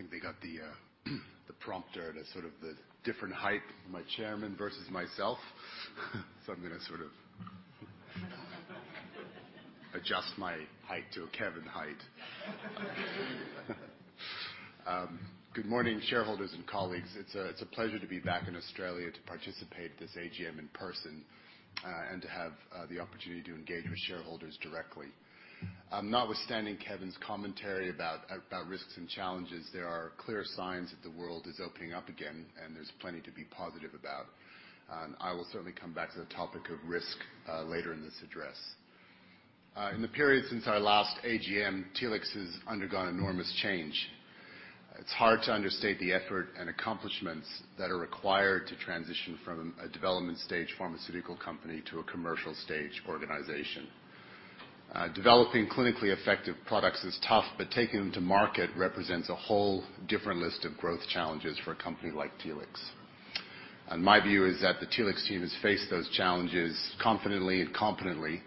I think they got the prompter at a sort of different height for my chairman versus myself. So I'm gonna adjust my height to Kevin height. Good morning, shareholders and colleagues. It's a pleasure to be back in Australia to participate in this AGM in person, and to have the opportunity to engage with shareholders directly. Notwithstanding Kevin's commentary about risks and challenges, there are clear signs that the world is opening up again, and there's plenty to be positive about. I will certainly come back to the topic of risk later in this address. In the period since our last AGM, Telix has undergone enormous change. It's hard to understate the effort and accomplishments that are required to transition from a development stage pharmaceutical company to a commercial stage organization. Developing clinically effective products is tough, but taking them to market represents a whole different list of growth challenges for a company like Telix. My view is that the Telix team has faced those challenges confidently and competently,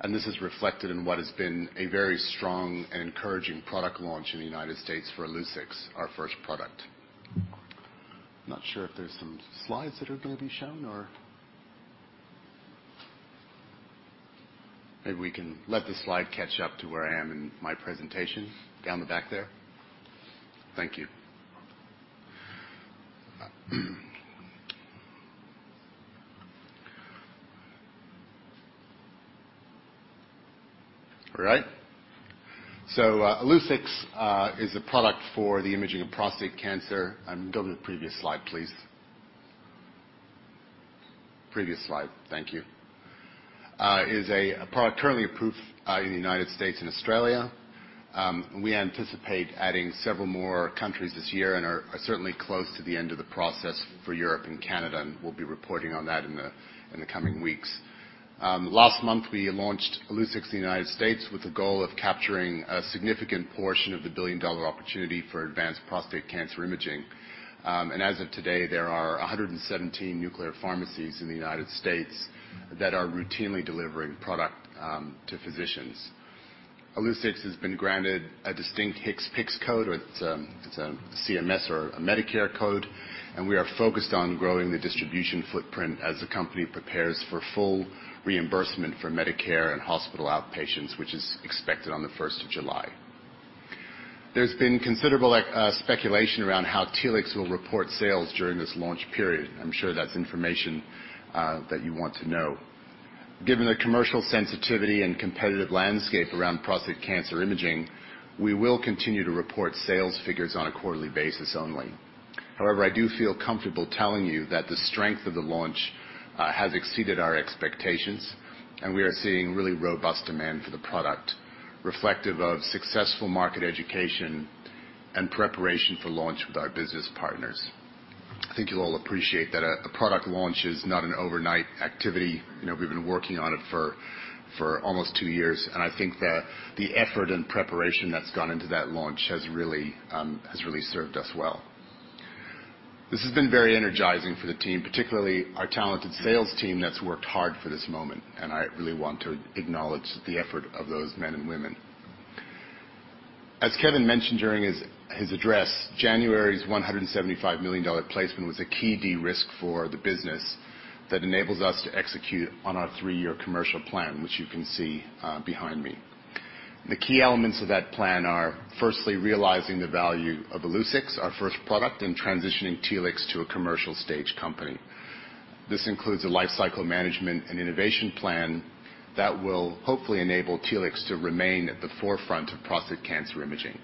and this is reflected in what has been a very strong and encouraging product launch in the United States for Illuccix, our first product. I'm not sure if there's some slides that are gonna be shown. Maybe we can let the slide catch up to where I am in my presentation. Down the back there. Thank you. All right. Illuccix is a product for the imaging of prostate cancer. Go to the previous slide, please. Previous slide. Thank you. It is a product currently approved in the United States and Australia. We anticipate adding several more countries this year and are certainly close to the end of the process for Europe and Canada, and we'll be reporting on that in the coming weeks. Last month, we launched Illuccix in the United States with the goal of capturing a significant portion of the billion-dollar opportunity for advanced prostate cancer imaging. As of today, there are 117 nuclear pharmacies in the United States that are routinely delivering product to physicians. Illuccix has been granted a distinct HCPCS code. It's a CMS or a Medicare code, and we are focused on growing the distribution footprint as the company prepares for full reimbursement for Medicare and hospital outpatients, which is expected on the July 1st. There's been considerable speculation around how Telix will report sales during this launch period. I'm sure that's information that you want to know. Given the commercial sensitivity and competitive landscape around prostate cancer imaging, we will continue to report sales figures on a quarterly basis only. However, I do feel comfortable telling you that the strength of the launch has exceeded our expectations, and we are seeing really robust demand for the product, reflective of successful market education and preparation for launch with our business partners. I think you'll all appreciate that a product launch is not an overnight activity. You know, we've been working on it for almost two years, and I think the effort and preparation that's gone into that launch has really served us well. This has been very energizing for the team, particularly our talented sales team that's worked hard for this moment, and I really want to acknowledge the effort of those men and women. As Kevin mentioned during his address, January's 175 million dollar placement was a key de-risk for the business that enables us to execute on our three-year commercial plan, which you can see behind me. The key elements of that plan are, firstly, realizing the value of Illuccix, our first product, and transitioning Telix to a commercial stage company. This includes a lifecycle management and innovation plan that will hopefully enable Telix to remain at the forefront of prostate cancer imaging.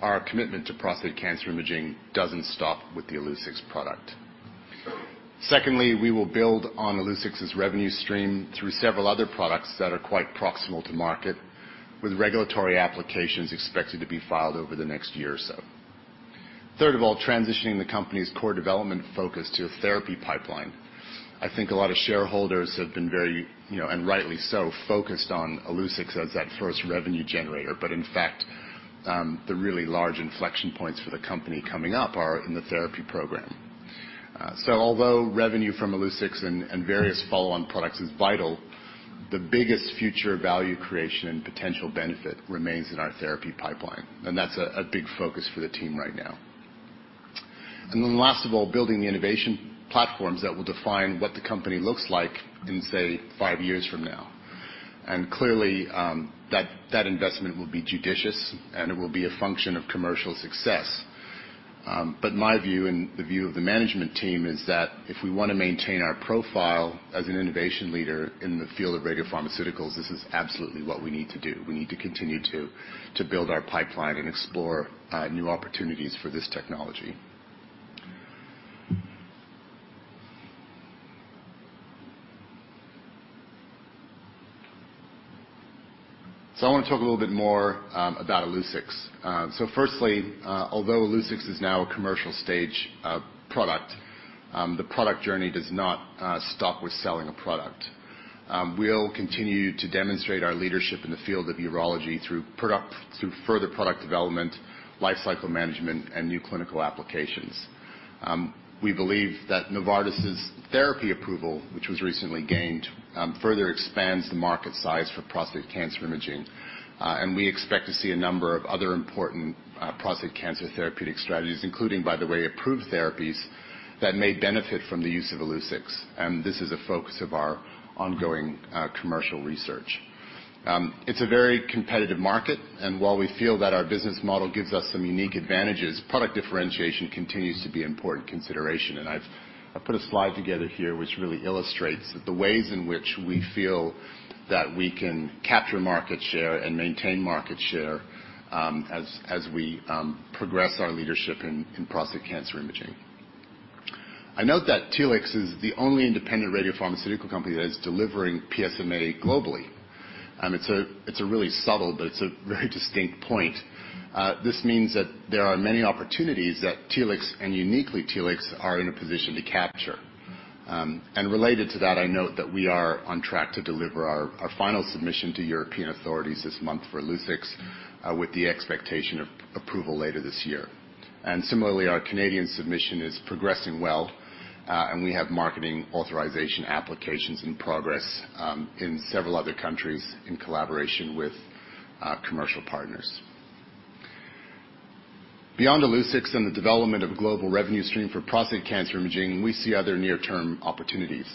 Our commitment to prostate cancer imaging doesn't stop with the Illuccix product. Secondly, we will build on Illuccix's revenue stream through several other products that are quite proximal to market, with regulatory applications expected to be filed over the next year or so. Third of all, transitioning the company's core development focus to a therapy pipeline. I think a lot of shareholders have been very, you know, and rightly so, focused on Illuccix as that first revenue generator. In fact, the really large inflection points for the company coming up are in the therapy program. Although revenue from Illuccix and various follow-on products is vital, the biggest future value creation and potential benefit remains in our therapy pipeline, and that's a big focus for the team right now. Last of all, building the innovation platforms that will define what the company looks like in, say, five years from now. Clearly, that investment will be judicious, and it will be a function of commercial success. My view and the view of the management team is that if we wanna maintain our profile as an innovation leader in the field of radiopharmaceuticals, this is absolutely what we need to do. We need to continue to build our pipeline and explore new opportunities for this technology. I wanna talk a little bit more about Illuccix. Firstly, although Illuccix is now a commercial stage product, the product journey does not stop with selling a product. We'll continue to demonstrate our leadership in the field of urology through further product development, lifecycle management, and new clinical applications. We believe that Novartis's therapy approval, which was recently gained, further expands the market size for prostate cancer imaging. We expect to see a number of other important prostate cancer therapeutic strategies, including, by the way, approved therapies that may benefit from the use of Illuccix, and this is a focus of our ongoing commercial research. It's a very competitive market, and while we feel that our business model gives us some unique advantages, product differentiation continues to be important consideration. I've put a slide together here which really illustrates the ways in which we feel that we can capture market share and maintain market share, as we progress our leadership in prostate cancer imaging. I note that Telix is the only independent radiopharmaceutical company that is delivering PSMA globally. It's a really subtle, but it's a very distinct point. This means that there are many opportunities that Telix, and uniquely Telix, are in a position to capture. Related to that, I note that we are on track to deliver our final submission to European authorities this month for Illuccix, with the expectation of approval later this year. Similarly, our Canadian submission is progressing well, and we have marketing authorization applications in progress in several other countries in collaboration with commercial partners. Beyond Illuccix and the development of a global revenue stream for prostate cancer imaging, we see other near-term opportunities.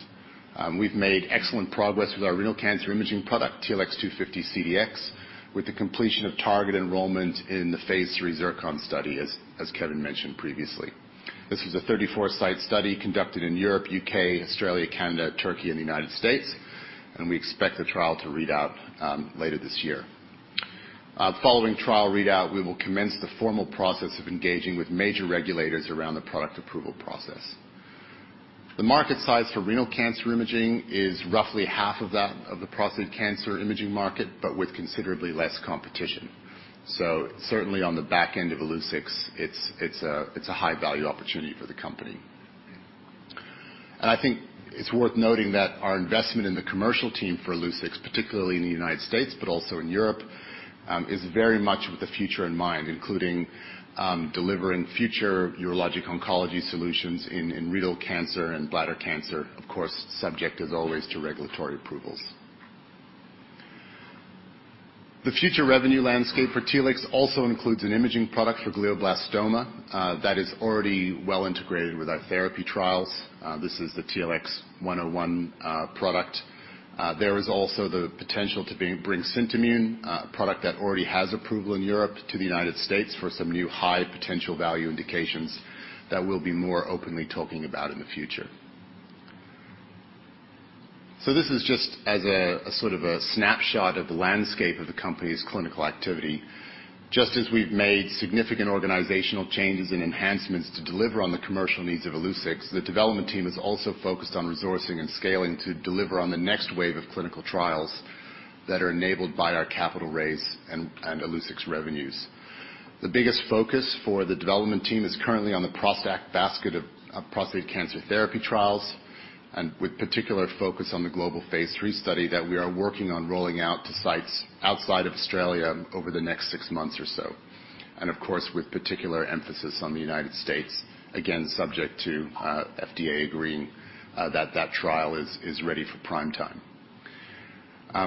We've made excellent progress with our renal cancer imaging product, TLX250-CDx, with the completion of target enrollment in the phase III ZIRCON study, as Kevin mentioned previously. This is a 34-site study conducted in Europe, U.K., Australia, Canada, Turkey, and the United States, and we expect the trial to read out later this year. Following trial readout, we will commence the formal process of engaging with major regulators around the product approval process. The market size for renal cancer imaging is roughly half of that of the prostate cancer imaging market, but with considerably less competition. Certainly on the back end of Illuccix, it's a high-value opportunity for the company. I think it's worth noting that our investment in the commercial team for Illuccix, particularly in the United States, but also in Europe, is very much with the future in mind, including delivering future urologic oncology solutions in renal cancer and bladder cancer. Of course, subject as always to regulatory approvals. The future revenue landscape for Telix also includes an imaging product for glioblastoma that is already well integrated with our therapy trials. This is the TLX101 product. There is also the potential to bring Scintimun, a product that already has approval in Europe, to the United States for some new high potential value indications that we'll be more openly talking about in the future. This is just a sort of snapshot of the landscape of the company's clinical activity. Just as we've made significant organizational changes and enhancements to deliver on the commercial needs of Illuccix, the development team is also focused on resourcing and scaling to deliver on the next wave of clinical trials that are enabled by our capital raise and Illuccix revenues. The biggest focus for the development team is currently on the ProstACT basket of prostate cancer therapy trials, and with particular focus on the global phase III study that we are working on rolling out to sites outside of Australia over the next six months or so. Of course, with particular emphasis on the United States, again, subject to FDA agreeing that trial is ready for prime time.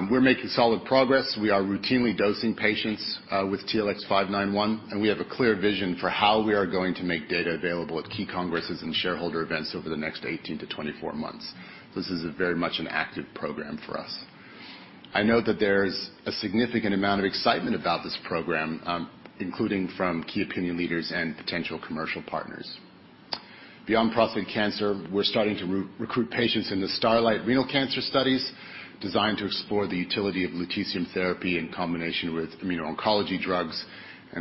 We're making solid progress. We are routinely dosing patients with TLX591, and we have a clear vision for how we are going to make data available at key congresses and shareholder events over the next 18 months-24 months. This is very much an active program for us. I know that there's a significant amount of excitement about this program, including from key opinion leaders and potential commercial partners. Beyond prostate cancer, we're starting to recruit patients in the STARLITE renal cancer studies designed to explore the utility of lutetium therapy in combination with immuno-oncology drugs.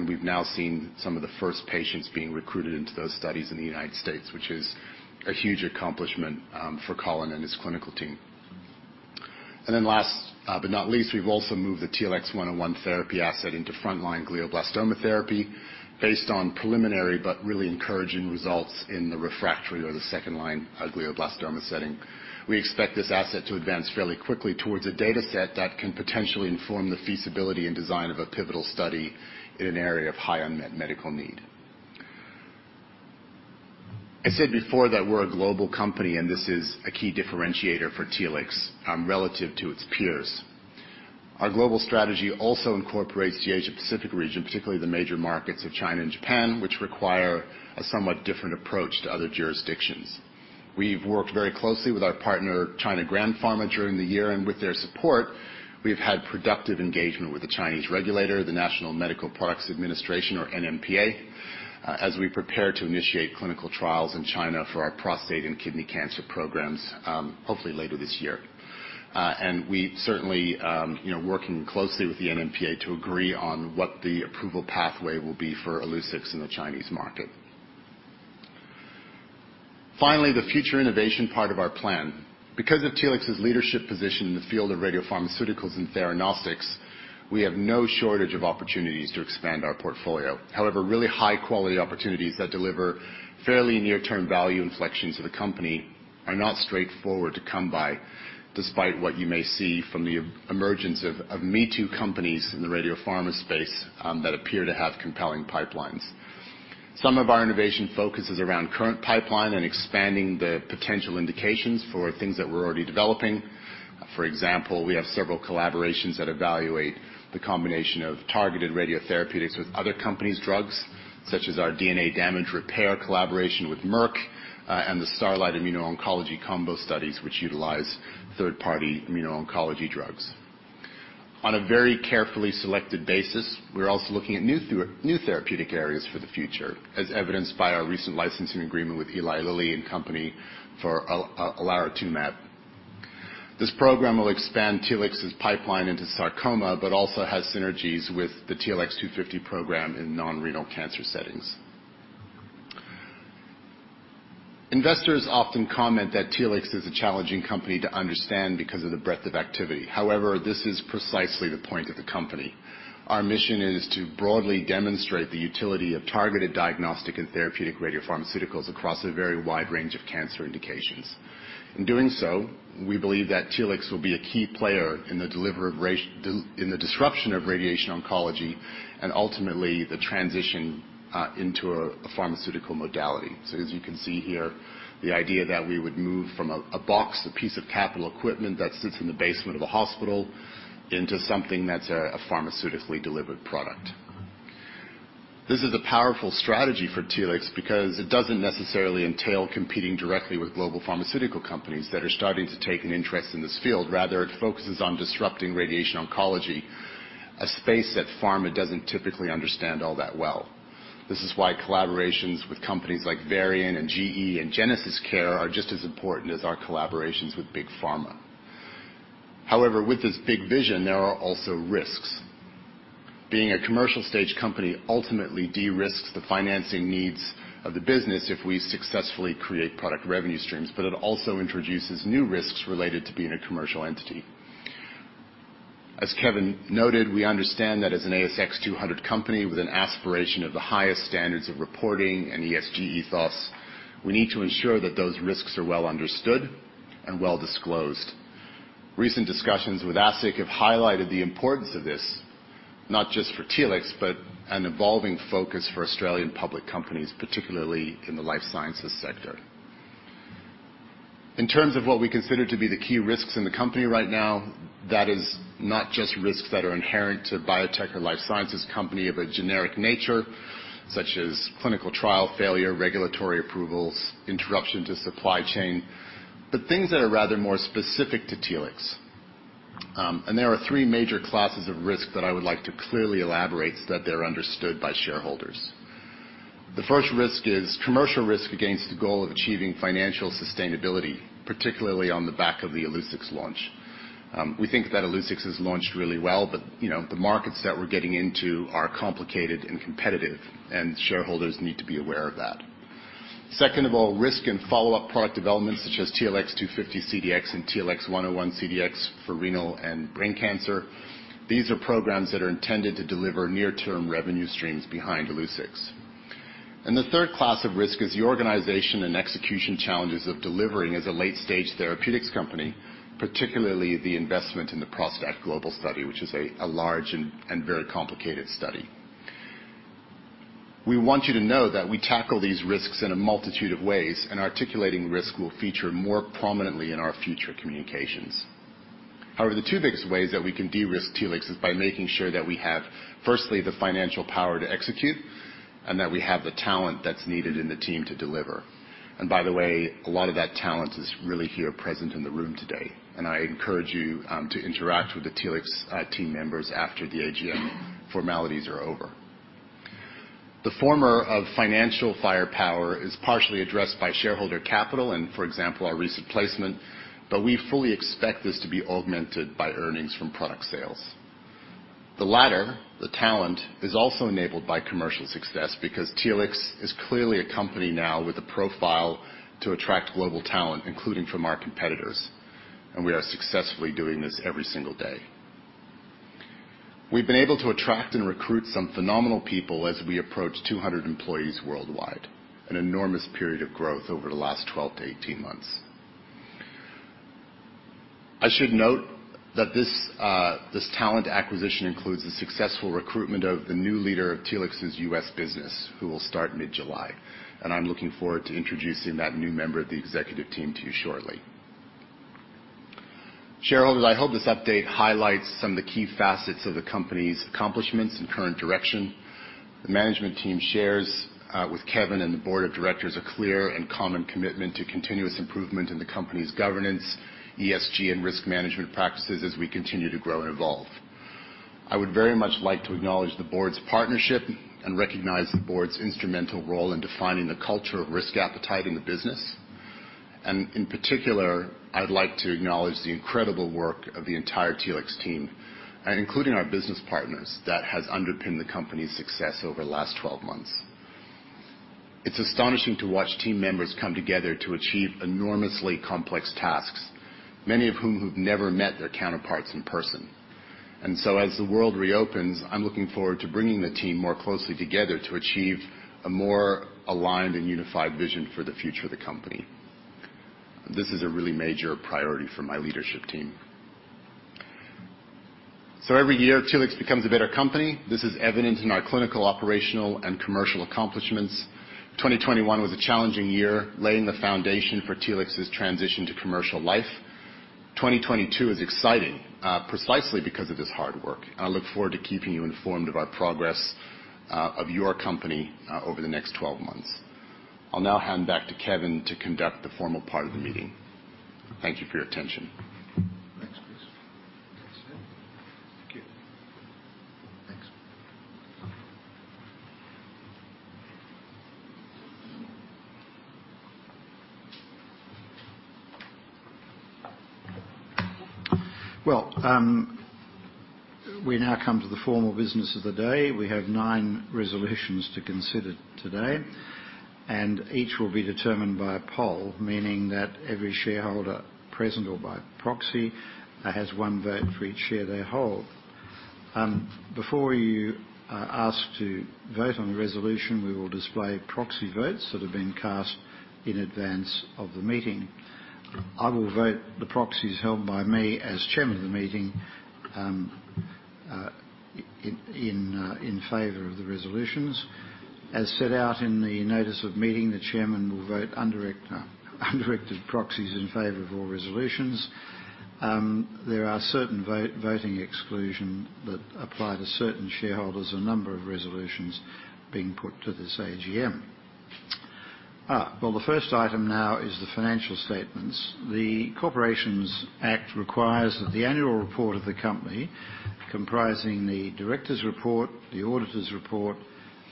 We've now seen some of the first patients being recruited into those studies in the United States, which is a huge accomplishment for Colin and his clinical team. Last, but not least, we've also moved the TLX101 therapy asset into frontline glioblastoma therapy based on preliminary but really encouraging results in the refractory or the second-line glioblastoma setting. We expect this asset to advance fairly quickly towards a dataset that can potentially inform the feasibility and design of a pivotal study in an area of high unmet medical need. I said before that we're a global company, and this is a key differentiator for Telix, relative to its peers. Our global strategy also incorporates the Asia Pacific region, particularly the major markets of China and Japan, which require a somewhat different approach to other jurisdictions. We've worked very closely with our partner, China Grand Pharmaceutical, during the year, and with their support, we've had productive engagement with the Chinese regulator, the National Medical Products Administration or NMPA, as we prepare to initiate clinical trials in China for our prostate and kidney cancer programs, hopefully later this year. We certainly working closely with the NMPA to agree on what the approval pathway will be for Illuccix in the Chinese market. Finally, the future innovation part of our plan. Because of Telix's leadership position in the field of radiopharmaceuticals and theranostics, we have no shortage of opportunities to expand our portfolio. However, really high-quality opportunities that deliver fairly near-term value inflection to the company are not straightforward to come by, despite what you may see from the emergence of me-too companies in the radiopharma space that appear to have compelling pipelines. Some of our innovation focus is around current pipeline and expanding the potential indications for things that we're already developing. For example, we have several collaborations that evaluate the combination of targeted radiotherapeutics with other companies' drugs, such as our DNA damage repair collaboration with Merck and the STELLAR immuno-oncology combo studies, which utilize third-party immuno-oncology drugs. On a very carefully selected basis, we're also looking at new therapeutic areas for the future, as evidenced by our recent licensing agreement with Eli Lilly and Company for olaratumab. This program will expand Telix's pipeline into sarcoma, but also has synergies with the TLX250 program in non-renal cancer settings. Investors often comment that Telix is a challenging company to understand because of the breadth of activity. However, this is precisely the point of the company. Our mission is to broadly demonstrate the utility of targeted diagnostic and therapeutic radiopharmaceuticals across a very wide range of cancer indications. In doing so, we believe that Telix will be a key player in the delivery of radiation in the disruption of radiation oncology and ultimately the transition into a pharmaceutical modality. As you can see here, the idea that we would move from a box, a piece of capital equipment that sits in the basement of a hospital into something that's a pharmaceutically delivered product. This is a powerful strategy for Telix because it doesn't necessarily entail competing directly with global pharmaceutical companies that are starting to take an interest in this field. Rather, it focuses on disrupting radiation oncology, a space that pharma doesn't typically understand all that well. This is why collaborations with companies like Varian and GE and GenesisCare are just as important as our collaborations with big pharma. However, with this big vision, there are also risks. Being a commercial stage company ultimately de-risks the financing needs of the business if we successfully create product revenue streams, but it also introduces new risks related to being a commercial entity. As Kevin noted, we understand that as an ASX 200 company with an aspiration of the highest standards of reporting and ESG ethos, we need to ensure that those risks are well understood and well disclosed. Recent discussions with ASIC have highlighted the importance of this, not just for Telix, but an evolving focus for Australian public companies, particularly in the life sciences sector. In terms of what we consider to be the key risks in the company right now, that is not just risks that are inherent to biotech or life sciences company of a generic nature, such as clinical trial failure, regulatory approvals, interruption to supply chain, but things that are rather more specific to Telix. There are three major classes of risk that I would like to clearly elaborate that they're understood by shareholders. The first risk is commercial risk against the goal of achieving financial sustainability, particularly on the back of the Illuccix launch. We think that Illuccix has launched really well, but, you know, the markets that we're getting into are complicated and competitive, and shareholders need to be aware of that. Second of all, risk in follow-up product developments such as TLX250-CDx and TLX101-CDx for renal and brain cancer. These are programs that are intended to deliver near-term revenue streams behind Illuccix. The third class of risk is the organization and execution challenges of delivering as a late-stage therapeutics company, particularly the investment in the ProstACT global study, which is a large and very complicated study. We want you to know that we tackle these risks in a multitude of ways, and articulating risk will feature more prominently in our future communications. However, the two biggest ways that we can de-risk Telix is by making sure that we have, firstly, the financial power to execute and that we have the talent that's needed in the team to deliver. By the way, a lot of that talent is really here present in the room today, and I encourage you to interact with the Telix team members after the AGM formalities are over. The former of financial firepower is partially addressed by shareholder capital and, for example, our recent placement, but we fully expect this to be augmented by earnings from product sales. The latter, the talent, is also enabled by commercial success because Telix is clearly a company now with the profile to attract global talent, including from our competitors, and we are successfully doing this every single day. We've been able to attract and recruit some phenomenal people as we approach 200 employees worldwide, an enormous period of growth over the last 12 months-18 months. I should note that this talent acquisition includes the successful recruitment of the new leader of Telix's U.S. business, who will start mid-July, and I'm looking forward to introducing that new member of the executive team to you shortly. Shareholders, I hope this update highlights some of the key facets of the company's accomplishments and current direction. The management team shares with Kevin and the board of directors a clear and common commitment to continuous improvement in the company's governance, ESG, and risk management practices as we continue to grow and evolve. I would very much like to acknowledge the board's partnership and recognize the board's instrumental role in defining the culture of risk appetite in the business. In particular, I would like to acknowledge the incredible work of the entire Telix team, including our business partners that has underpinned the company's success over the last 12 months. It's astonishing to watch team members come together to achieve enormously complex tasks, many of whom who've never met their counterparts in person. As the world reopens, I'm looking forward to bringing the team more closely together to achieve a more aligned and unified vision for the future of the company. This is a really major priority for my leadership team. Every year, Telix becomes a better company. This is evident in our clinical, operational, and commercial accomplishments. 2021 was a challenging year, laying the foundation for Telix's transition to commercial life. 2022 is exciting, precisely because of this hard work. I look forward to keeping you informed of our progress, of your company, over the next 12 months. I'll now hand back to Kevin to conduct the formal part of the meeting. Thank you for your attention. Thanks. Well, we now come to the formal business of the day. We have nine resolutions to consider today, and each will be determined by a poll, meaning that every shareholder, present or by proxy, has one vote for each share they hold. Before you ask to vote on the resolution, we will display proxy votes that have been cast in advance of the meeting. I will vote the proxies held by me as chairman of the meeting, in favor of the resolutions. As set out in the notice of meeting, the chairman will vote undirected proxies in favor of all resolutions. There are certain voting exclusions that apply to certain shareholders, a number of resolutions being put to this AGM. Well, the first item now is the financial statements. The Corporations Act requires that the annual report of the company, comprising the director's report, the auditor's report,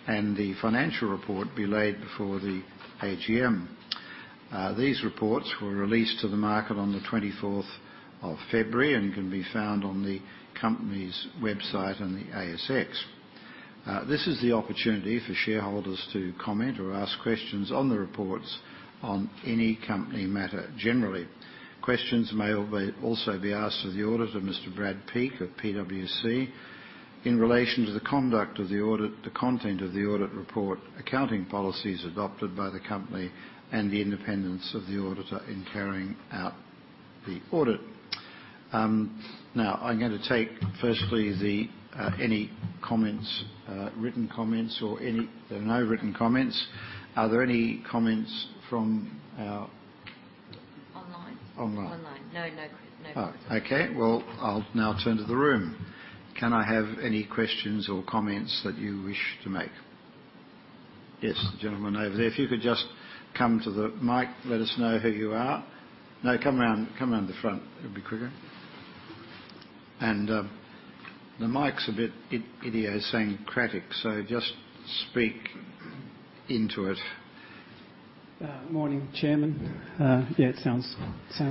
and the financial report, be laid before the AGM. These reports were released to the market on the February 24th and can be found on the company's website and the ASX. This is the opportunity for shareholders to comment or ask questions on the reports on any company matter. Generally, questions may also be asked to the Auditor, Mr. Brad Peake of PwC, in relation to the conduct of the audit, the content of the audit report, accounting policies adopted by the company, and the independence of the auditor in carrying out the audit. Now, I'm gonna take, firstly, any comments, written comments or any. There are no written comments. Are there any comments from online. Online. No queries. All right. Okay. Well, I'll now turn to the room. Can I have any questions or comments that you wish to make? Yes. The gentleman over there. If you could just come to the mic, let us know who you are. No, come around the front. It'll be quicker. The mic's a bit idiosyncratic, so just speak into it. Morning, Chairman. Yeah, it sounds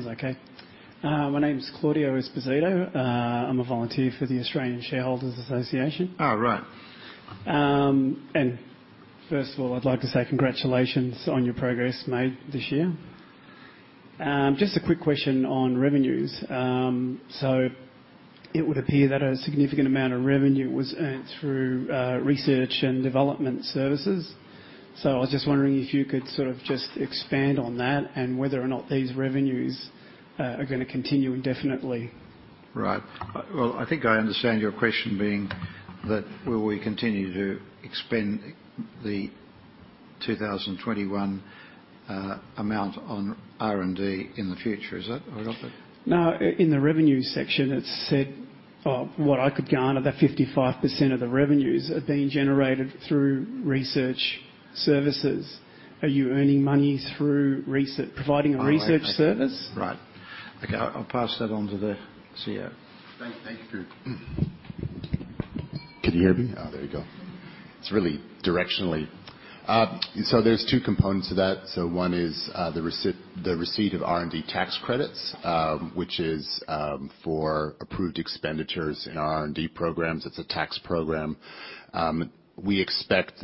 okay. My name is Claudio Esposito. I'm a volunteer for the Australian Shareholders' Association. Oh, right. First of all, I'd like to say congratulations on your progress made this year. Just a quick question on revenues. It would appear that a significant amount of revenue was earned through research and development services. I was just wondering if you could sort of just expand on that and whether or not these revenues are gonna continue indefinitely. Right. Well, I think I understand your question being that will we continue to expend the 2021 amount on R&D in the future. Is that right? No. In the revenue section, it said, what I could garner, that 55% of the revenues are being generated through research services. Are you earning money through research, providing a research service? Right. Okay, I'll pass that on to the CEO. Thank you. Can you hear me? Oh, there you go. It's really directionally. There's two components to that. One is the receipt of R&D tax credits, which is for approved expenditures in R&D programs. It's a tax program. We expect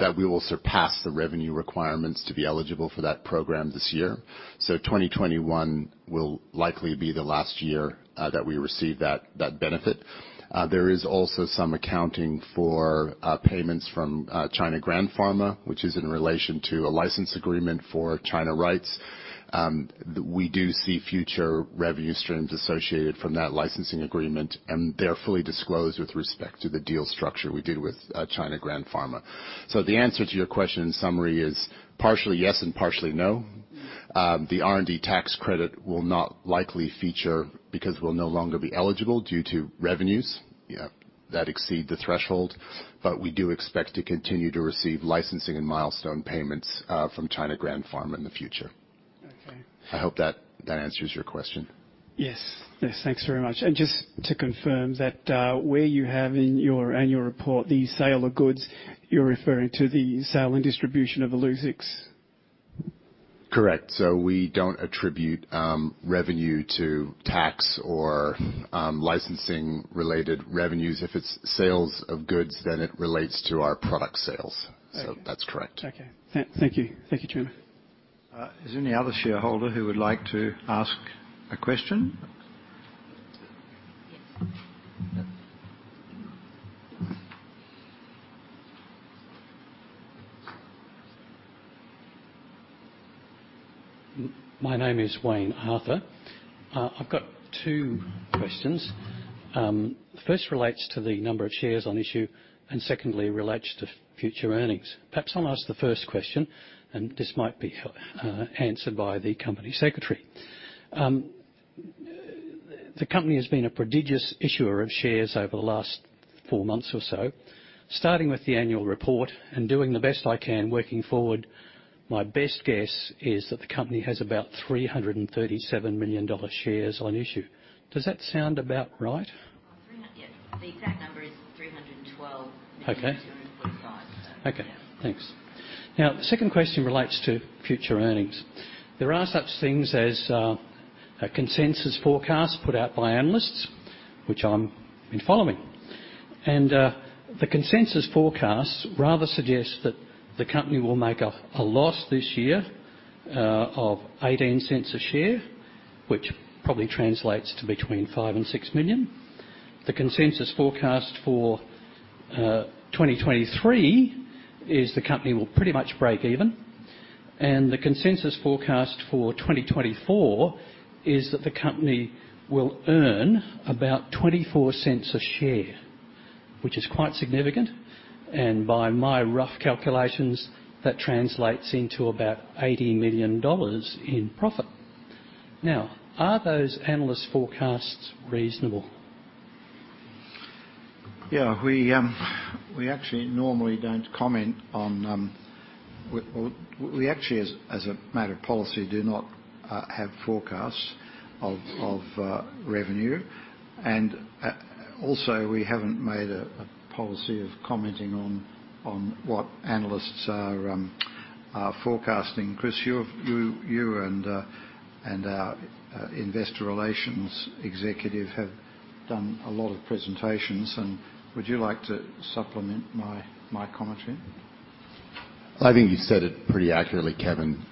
that we will surpass the revenue requirements to be eligible for that program this year. 2021 will likely be the last year that we receive that benefit. There is also some accounting for payments from China Grand Pharmaceutical, which is in relation to a license agreement for China rights. We do see future revenue streams associated from that licensing agreement, and they're fully disclosed with respect to the deal structure we did with China Grand Pharmaceutical. The answer to your question, in summary, is partially yes and partially no. The R&D tax credit will not likely feature because we'll no longer be eligible due to revenues, you know, that exceed the threshold. We do expect to continue to receive licensing and milestone payments from China Grand Pharma in the future. Okay. I hope that answers your question. Yes. Thanks very much. Just to confirm that, where you have in your annual report, the sale of goods, you're referring to the sale and distribution of Illuccix. Correct. We don't attribute revenue to tax or licensing related revenues. If it's sales of goods, then it relates to our product sales. Okay. That's correct. Okay. Thank you. Thank you, Chairman. Is there any other shareholder who would like to ask a question? My name is Wayne Arthur. I've got two questions. First relates to the number of shares on issue, and secondly relates to future earnings. Perhaps I'll ask the first question, and this might be answered by the company secretary. The company has been a prodigious issuer of shares over the last four months or so. Starting with the annual report and doing the best I can working forward, my best guess is that the company has about 337 million dollars shares on issue. Does that sound about right? Yes. The exact number is 312 million dollars. Okay. AUD 245 million. Yeah. Okay, thanks. Now, the second question relates to future earnings. There are such things as a consensus forecast put out by analysts, which I've been following. The consensus forecasts rather suggest that the company will make a loss this year of 18 cents a share, which probably translates to between 5 million and 6 million. The consensus forecast for 2023 is the company will pretty much break even. The consensus forecast for 2024 is that the company will earn about 24 cents a share, which is quite significant. By my rough calculations, that translates into about 80 million dollars in profit. Now, are those analysts' forecasts reasonable? Well, we actually, as a matter of policy, do not have forecasts of revenue. Also, we haven't made a policy of commenting on what analysts are forecasting. Chris, you and our investor relations executive have done a lot of presentations, and would you like to supplement my commentary? I think you said it pretty accurately, Kevin.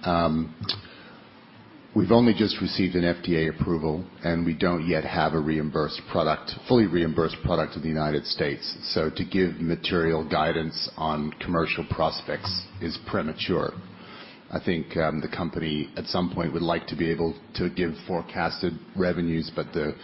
We've only just received an FDA approval, and we don't yet have a fully reimbursed product in the United States. To give material guidance on commercial prospects is premature. I think the company, at some point, would like to be able to give forecasted revenues, but the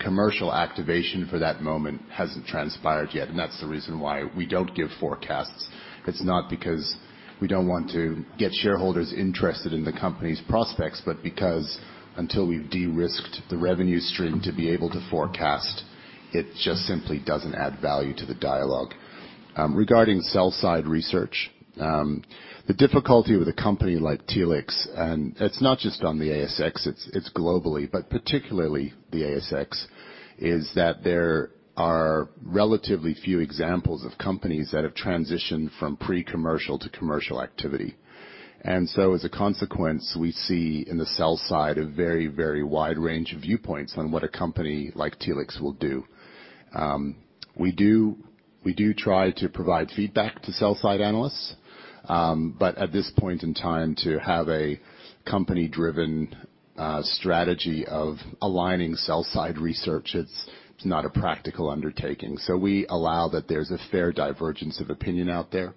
commercial activation for that moment hasn't transpired yet, and that's the reason why we don't give forecasts. It's not because we don't want to get shareholders interested in the company's prospects, but because until we've de-risked the revenue stream to be able to forecast, it just simply doesn't add value to the dialogue. Regarding sell-side research, the difficulty with a company like Telix, and it's not just on the ASX, it's globally, but particularly the ASX, is that there are relatively few examples of companies that have transitioned from pre-commercial to commercial activity. As a consequence, we see in the sell-side a very, very wide range of viewpoints on what a company like Telix will do. We try to provide feedback to sell-side analysts. But at this point in time, to have a company-driven strategy of aligning sell-side research, it's not a practical undertaking. We allow that there's a fair divergence of opinion out there,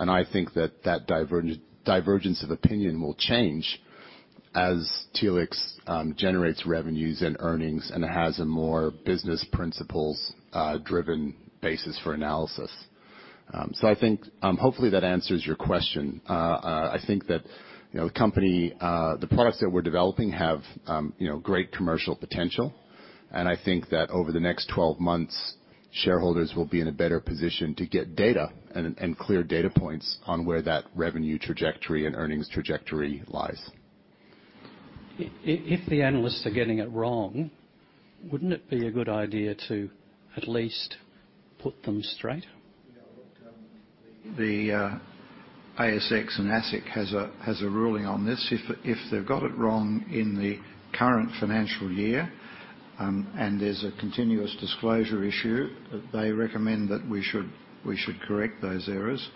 and I think that divergence of opinion will change as Telix generates revenues and earnings and has a more business principles driven basis for analysis. I think. Hopefully that answers your question. I think that, you know, the company, the products that we're developing have, you know, great commercial potential, and I think that over the next 12 months, shareholders will be in a better position to get data and clear data points on where that revenue trajectory and earnings trajectory lies. If the analysts are getting it wrong, wouldn't it be a good idea to at least put them straight? Yeah. Look, the ASX and ASIC has a ruling on this. If they've got it wrong in the current financial year, and there's a continuous disclosure issue, they recommend that we should correct those errors.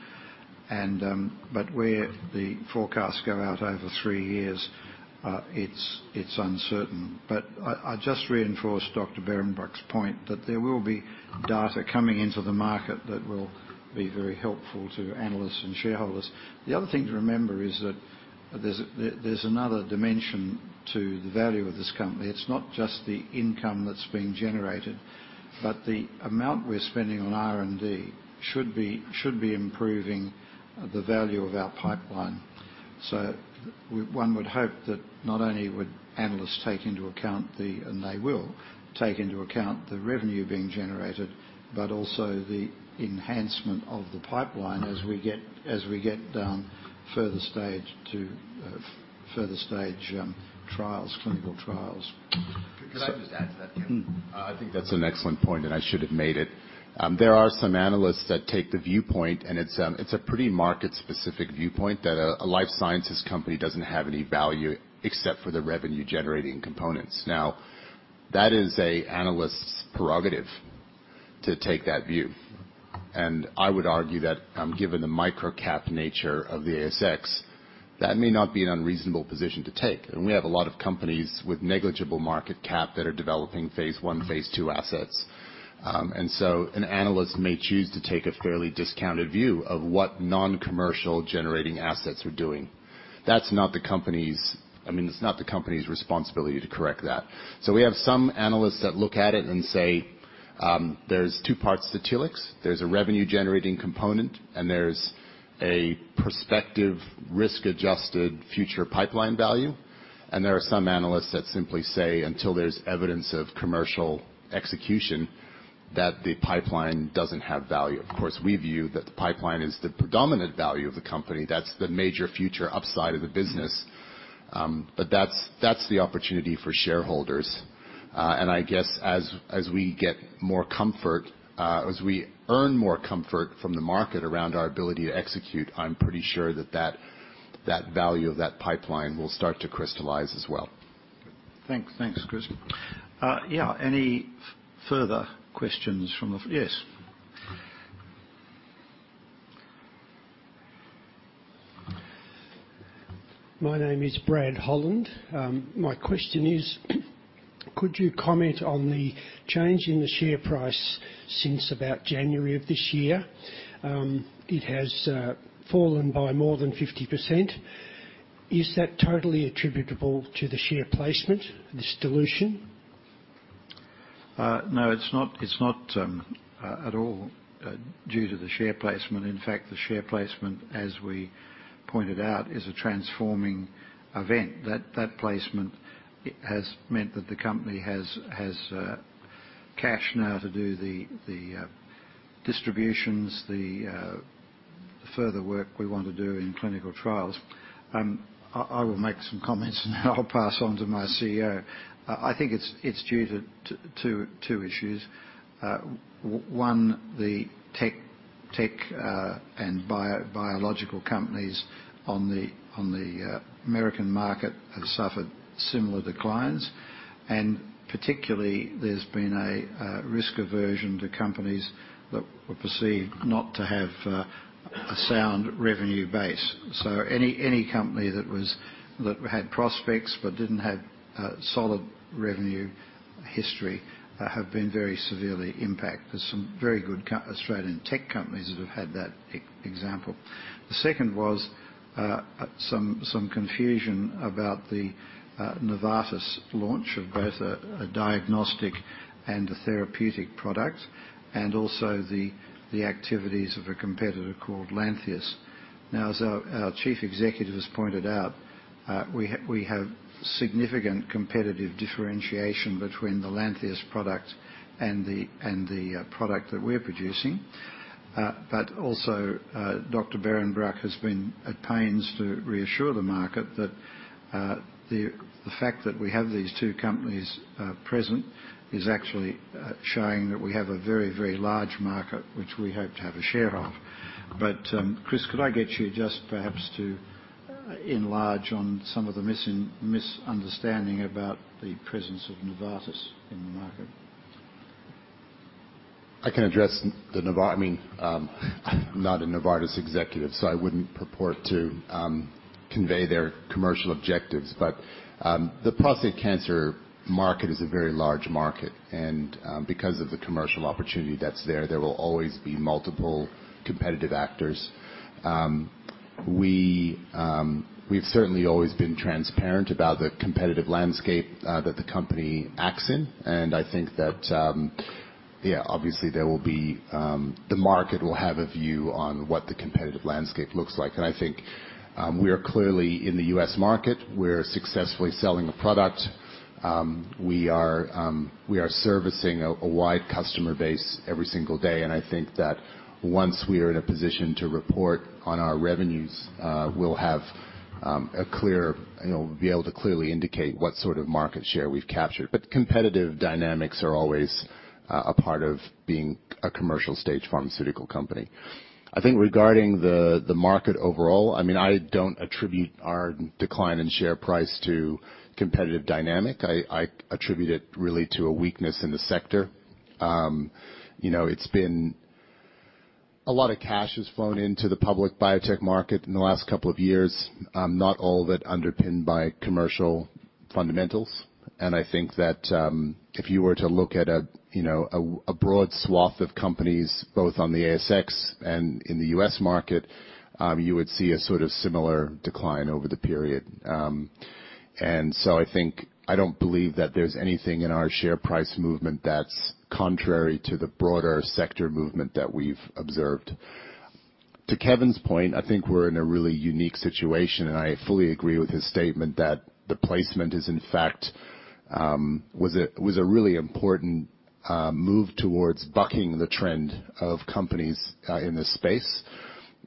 Where the forecasts go out over three years, it's uncertain. I just reinforce Dr. Behrenbruch's point that there will be data coming into the market that will be very helpful to analysts and shareholders. The other thing to remember is that there's another dimension to the value of this company. It's not just the income that's being generated, but the amount we're spending on R&D should be improving the value of our pipeline. One would hope that not only would analysts take into account the revenue being generated, but also the enhancement of the pipeline as we get further stage clinical trials. Could I just add to that, Kevin? Mm-hmm. I think that's an excellent point, and I should have made it. There are some analysts that take the viewpoint, and it's a pretty market-specific viewpoint, that a life sciences company doesn't have any value except for the revenue-generating components. Now, that is an analyst's prerogative to take that view, and I would argue that, given the micro-cap nature of the ASX. That may not be an unreasonable position to take. We have a lot of companies with negligible market cap that are developing phase one, phase two assets. An analyst may choose to take a fairly discounted view of what non-revenue generating assets are doing. That's not the company's. I mean, it's not the company's responsibility to correct that. We have some analysts that look at it and say, there's two parts to Telix. There's a revenue-generating component, and there's a prospective risk-adjusted future pipeline value. There are some analysts that simply say, until there's evidence of commercial execution, that the pipeline doesn't have value. Of course, we view that the pipeline is the predominant value of the company. That's the major future upside of the business. That's the opportunity for shareholders. I guess as we get more comfort, as we earn more comfort from the market around our ability to execute, I'm pretty sure that value of that pipeline will start to crystallize as well. Thanks. Thanks, Chris. Yeah, any further questions from the Yes. My name is Brad Holland. My question is, could you comment on the change in the share price since about January of this year? It has fallen by more than 50%. Is that totally attributable to the share placement, this dilution? No, it's not at all due to the share placement. In fact, the share placement, as we pointed out, is a transforming event. That placement has meant that the company has cash now to do the distributions, the further work we want to do in clinical trials. I will make some comments now. I'll pass on to my CEO. I think it's due to two issues. One, the tech and biotech companies on the American market have suffered similar declines, and particularly, there's been a risk aversion to companies that were perceived not to have a sound revenue base. Any company that had prospects but didn't have a solid revenue history have been very severely impacted. There's some very good Australian tech companies that have had that example. The second was some confusion about the Novartis launch of both a diagnostic and a therapeutic product, and also the activities of a competitor called Lantheus. Now, as our chief executive has pointed out, we have significant competitive differentiation between the Lantheus product and the product that we're producing. Also, Dr. Behrenbruch has been at pains to reassure the market that the fact that we have these two companies present is actually showing that we have a very, very large market which we hope to have a share of. Chris, could I get you just perhaps to enlarge on some of the misunderstanding about the presence of Novartis in the market? I'm not a Novartis executive, so I wouldn't purport to convey their commercial objectives. The prostate cancer market is a very large market. Because of the commercial opportunity that's there will always be multiple competitive actors. We've certainly always been transparent about the competitive landscape that the company acts in, and I think that, yeah, obviously, there will be. The market will have a view on what the competitive landscape looks like. I think we are clearly in the US market. We're successfully selling a product. We are servicing a wide customer base every single day. I think that once we are in a position to report on our revenues, we'll have a clear, you know, be able to clearly indicate what sort of market share we've captured. Competitive dynamics are always a part of being a commercial-stage pharmaceutical company. I think regarding the market overall, I mean, I don't attribute our decline in share price to competitive dynamic. I attribute it really to a weakness in the sector. You know, it's been a lot of cash has flown into the public biotech market in the last couple of years, not all of it underpinned by commercial fundamentals. I think that, if you were to look at a, you know, a broad swath of companies both on the ASX and in the US market, you would see a sort of similar decline over the period. I think I don't believe that there's anything in our share price movement that's contrary to the broader sector movement that we've observed. To Kevin's point, I think we're in a really unique situation, and I fully agree with his statement that the placement is, in fact, was a really important move towards bucking the trend of companies in this space.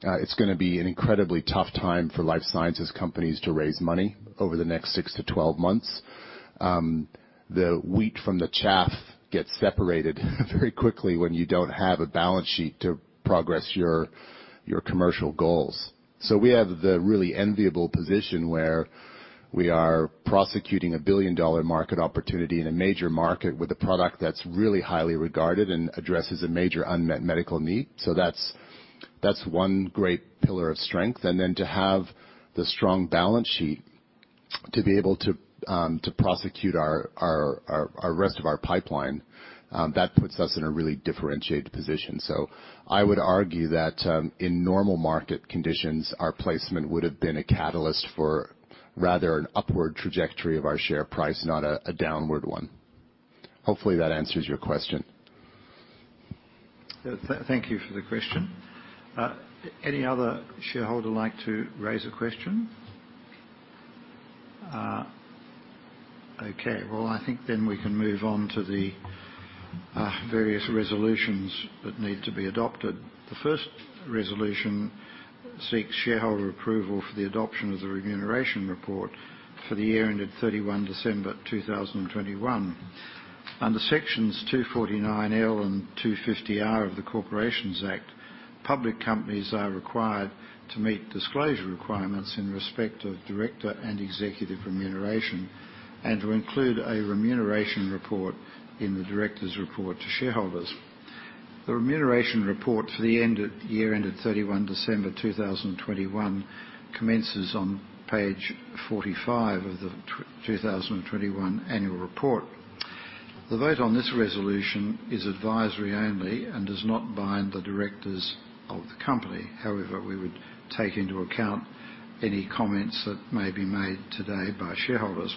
It's gonna be an incredibly tough time for life sciences companies to raise money over the next six to 12 months. The wheat from the chaff gets separated very quickly when you don't have a balance sheet to progress your commercial goals. We have the really enviable position where we are prosecuting a billion-dollar market opportunity in a major market with a product that's really highly regarded and addresses a major unmet medical need. That's one great pillar of strength. Then to have the strong balance sheet to be able to prosecute our rest of our pipeline, that puts us in a really differentiated position. I would argue that, in normal market conditions, our placement would have been a catalyst for rather an upward trajectory of our share price, not a downward one. Hopefully, that answers your question. Thank you for the question. Any other shareholder like to raise a question? Okay. Well, I think then we can move on to the various resolutions that need to be adopted. The first resolution seeks shareholder approval for the adoption of the remuneration report for the year ended December 31, 2021. Under sections 249L and 250R of the Corporations Act, public companies are required to meet disclosure requirements in respect of director and executive remuneration and to include a remuneration report in the directors' report to shareholders. The remuneration report for the year ended December 31, 2021 commences on Page 45 of the 2021 annual report. The vote on this resolution is advisory only and does not bind the directors of the company. However, we would take into account any comments that may be made today by shareholders.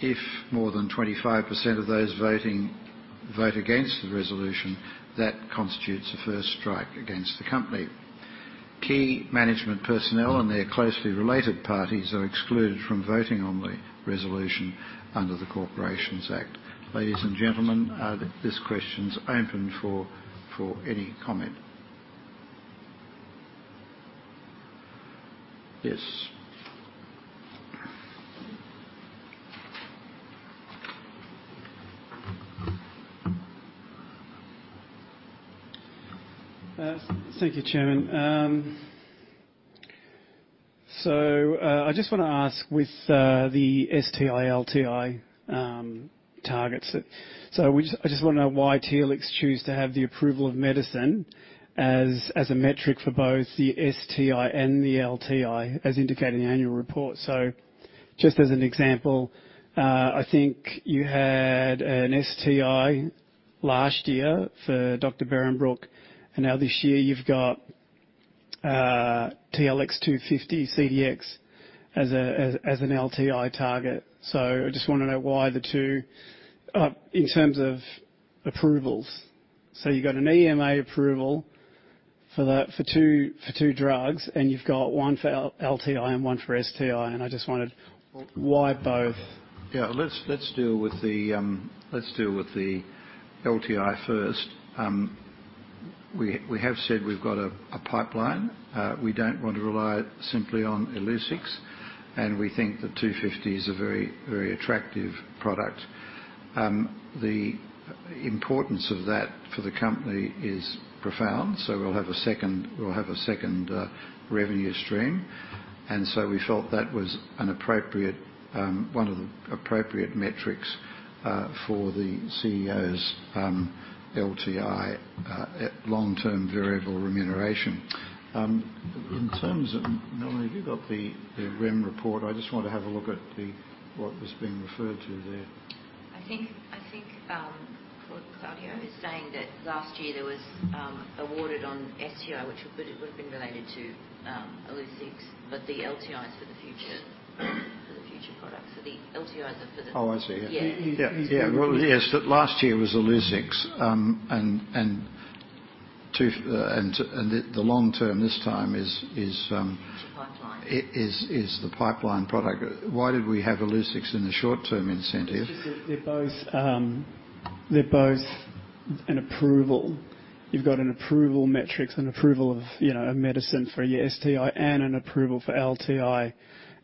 If more than 25% of those voting vote against the resolution, that constitutes a first strike against the company. Key management personnel and their closely related parties are excluded from voting on the resolution under the Corporations Act. Ladies and gentlemen, this question's open for any comment. Yes. Thank you, Chairman. I just want to ask with the STI, LTI targets. I just want to know why Telix choose to have the approval of medicine as a metric for both the STI and the LTI, as indicated in the annual report. Just as an example, I think you had an STI last year for Dr. Behrenbruch, and now this year you've got TLX250-CDx as an LTI target. I just want to know why the two in terms of approvals. You've got an EMA approval for that, for two drugs, and you've got one for LTI and one for STI, and I just wanted why both? Let's deal with the LTI first. We have said we've got a pipeline. We don't want to rely simply on Illuccix, and we think that TLX250 is a very, very attractive product. The importance of that for the company is profound, so we'll have a second revenue stream. We felt that was an appropriate one of the appropriate metrics for the CEO's LTI at long-term variable remuneration. In terms of Melanie, have you got the REM report? I just want to have a look at what was being referred to there. I think Claudio is saying that last year there was an STI awarded, which would have been related to Illuccix, but the LTI is for the future products. The LTIs are for the future products. Oh, I see. Yeah. Yeah. Yeah. Well, yes, but last year was Illuccix. And the long term this time is. The pipeline. is the pipeline product. Why did we have Illuccix in the short-term incentive? It's just that they're both an approval. You've got an approval metrics and approval of a medicine for your STI and an approval for LTI.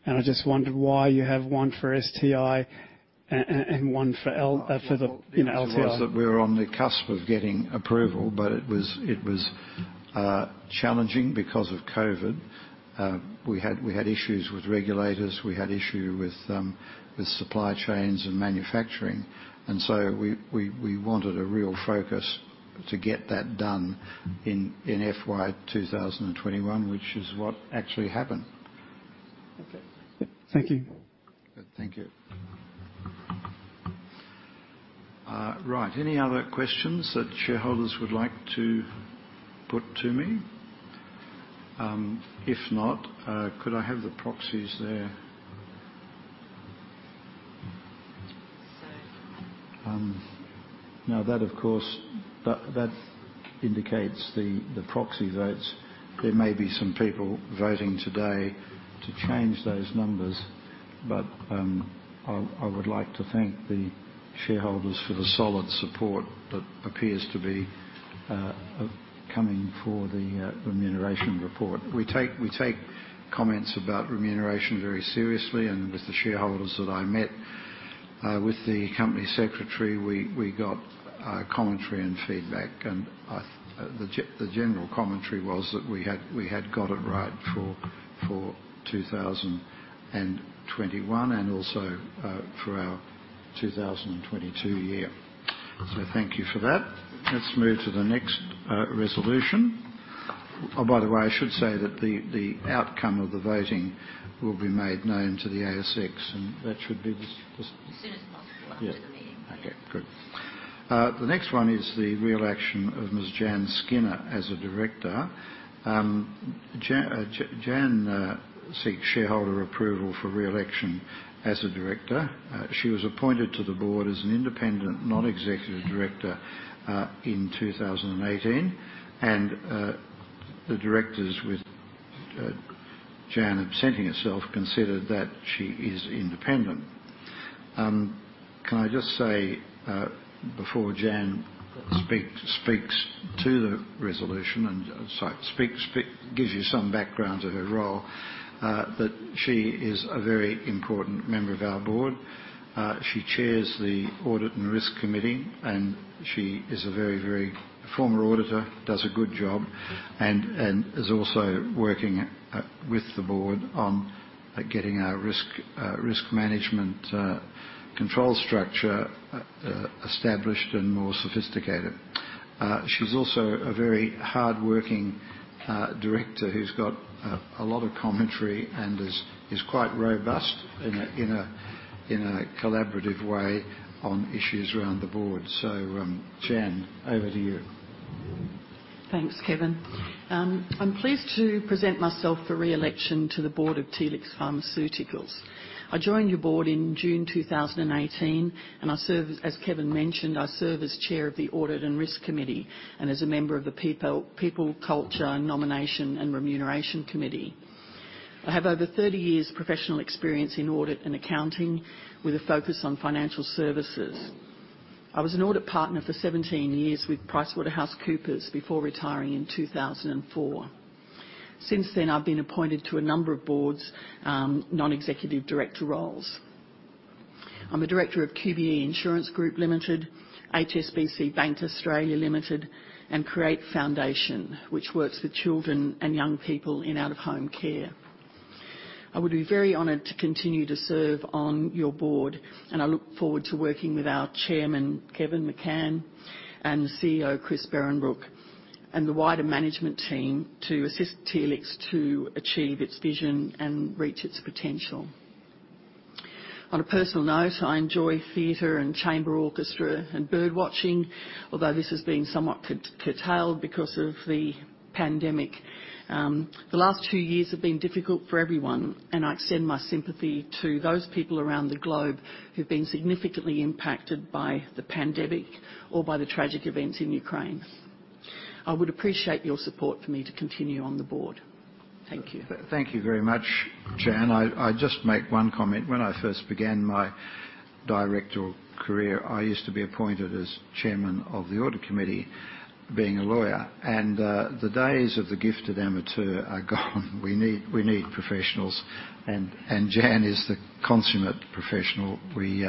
I just wondered why you have one for STI and one for LTI. Well, it was that we were on the cusp of getting approval, but it was challenging because of COVID. We had issues with regulators. We had issue with supply chains and manufacturing. We wanted a real focus to get that done in FY 2021, which is what actually happened. Okay. Thank you. Thank you. Right. Any other questions that shareholders would like to put to me? If not, could I have the proxies there? Now, that of course indicates the proxy votes. There may be some people voting today to change those numbers. I would like to thank the shareholders for the solid support that appears to be coming for the remuneration report. We take comments about remuneration very seriously, and with the shareholders that I met with the company secretary, we got commentary and feedback, and the general commentary was that we had got it right for 2021 and also for our 2022 year. Thank you for that. Let's move to the next resolution. Oh, by the way, I should say that the outcome of the voting will be made known to the ASX, and that should be as soon as possible after the meeting. Yeah. Okay. Good. The next one is the reelection of Ms. Jann Skinner as a director. Jann seeks shareholder approval for reelection as a director. She was appointed to the board as an independent non-executive director in 2018. The directors, with Jann absenting herself, considered that she is independent. Can I just say, before Jan speaks to the resolution and gives you some background to her role, that she is a very important member of our board. She chairs the Audit and Risk Committee, and she is a very former auditor, does a good job and is also working with the board on getting our risk management control structure established and more sophisticated. She's also a very hardworking director who's got a lot of commentary and is quite robust in a collaborative way on issues around the board. Jann, over to you. Thanks, Kevin. I'm pleased to present myself for reelection to the board of Telix Pharmaceuticals. I joined your board in June 2018, and I serve as Kevin mentioned, I serve as chair of the Audit and Risk Committee and as a member of the People, Culture, and Nomination and Remuneration Committee. I have over 30 years' professional experience in audit and accounting with a focus on financial services. I was an audit partner for 17 years with PricewaterhouseCoopers before retiring in 2004. Since then, I've been appointed to a number of boards, non-executive director roles. I'm a director of QBE Insurance Group Limited, HSBC Bank Australia Limited, and CREATE Foundation, which works with children and young people in out-of-home care. I would be very honored to continue to serve on your board, and I look forward to working with our chairman, Kevin McCann, and the CEO, Dr. Christian Behrenbruch, and the wider management team to assist Telix to achieve its vision and reach its potential. On a personal note, I enjoy theater and chamber orchestra and bird watching, although this has been somewhat curtailed because of the pandemic. The last two years have been difficult for everyone, and I extend my sympathy to those people around the globe who've been significantly impacted by the pandemic or by the tragic events in Ukraine. I would appreciate your support for me to continue on the board. Thank you. Thank you very much, Jann. I just make one comment. When I first began my directorial career, I used to be appointed as chairman of the Audit Committee, being a lawyer. The days of the gifted amateur are gone. We need professionals, and Jann is the consummate professional. We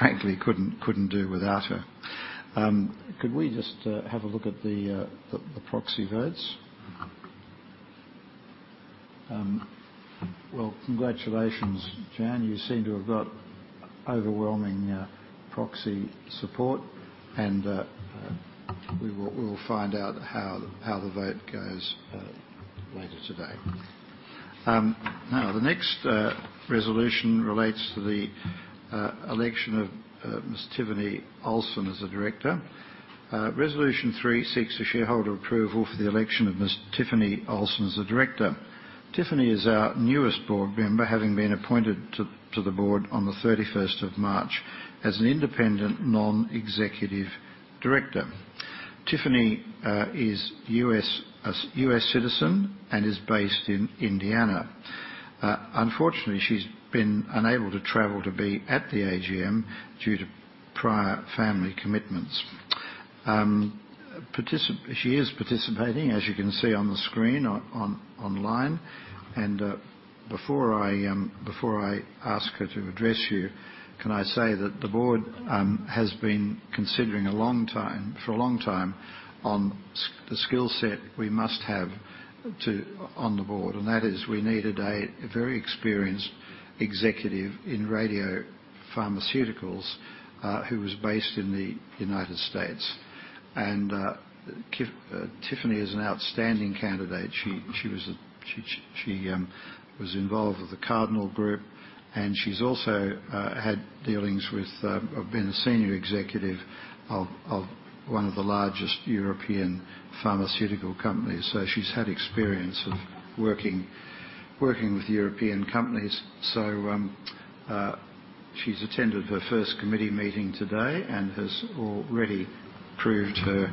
frankly couldn't do without her. Could we just have a look at the proxy votes? Well, congratulations, Jann. You seem to have got overwhelming proxy support, and we will find out how the vote goes later today. Now the next resolution relates to the election of Ms. Tiffany Olson as a director. Resolution three seeks the shareholder approval for the election of Ms. Tiffany Olson as a director. Tiffany is our newest board member, having been appointed to the board on the March 31st as an independent non-executive director. Tiffany is a U.S. citizen and is based in Indiana. Unfortunately, she's been unable to travel to be at the AGM due to prior family commitments. She is participating, as you can see on the screen, online. Before I ask her to address you, can I say that the board has been considering for a long time the skill set we must have on the board, and that is we needed a very experienced executive in radiopharmaceuticals who was based in the United States. Tiffany is an outstanding candidate. She was a... She was involved with Cardinal Health, and she's also been a senior executive of one of the largest European pharmaceutical companies. She's had experience of working with European companies. She's attended her first committee meeting today and has already proved her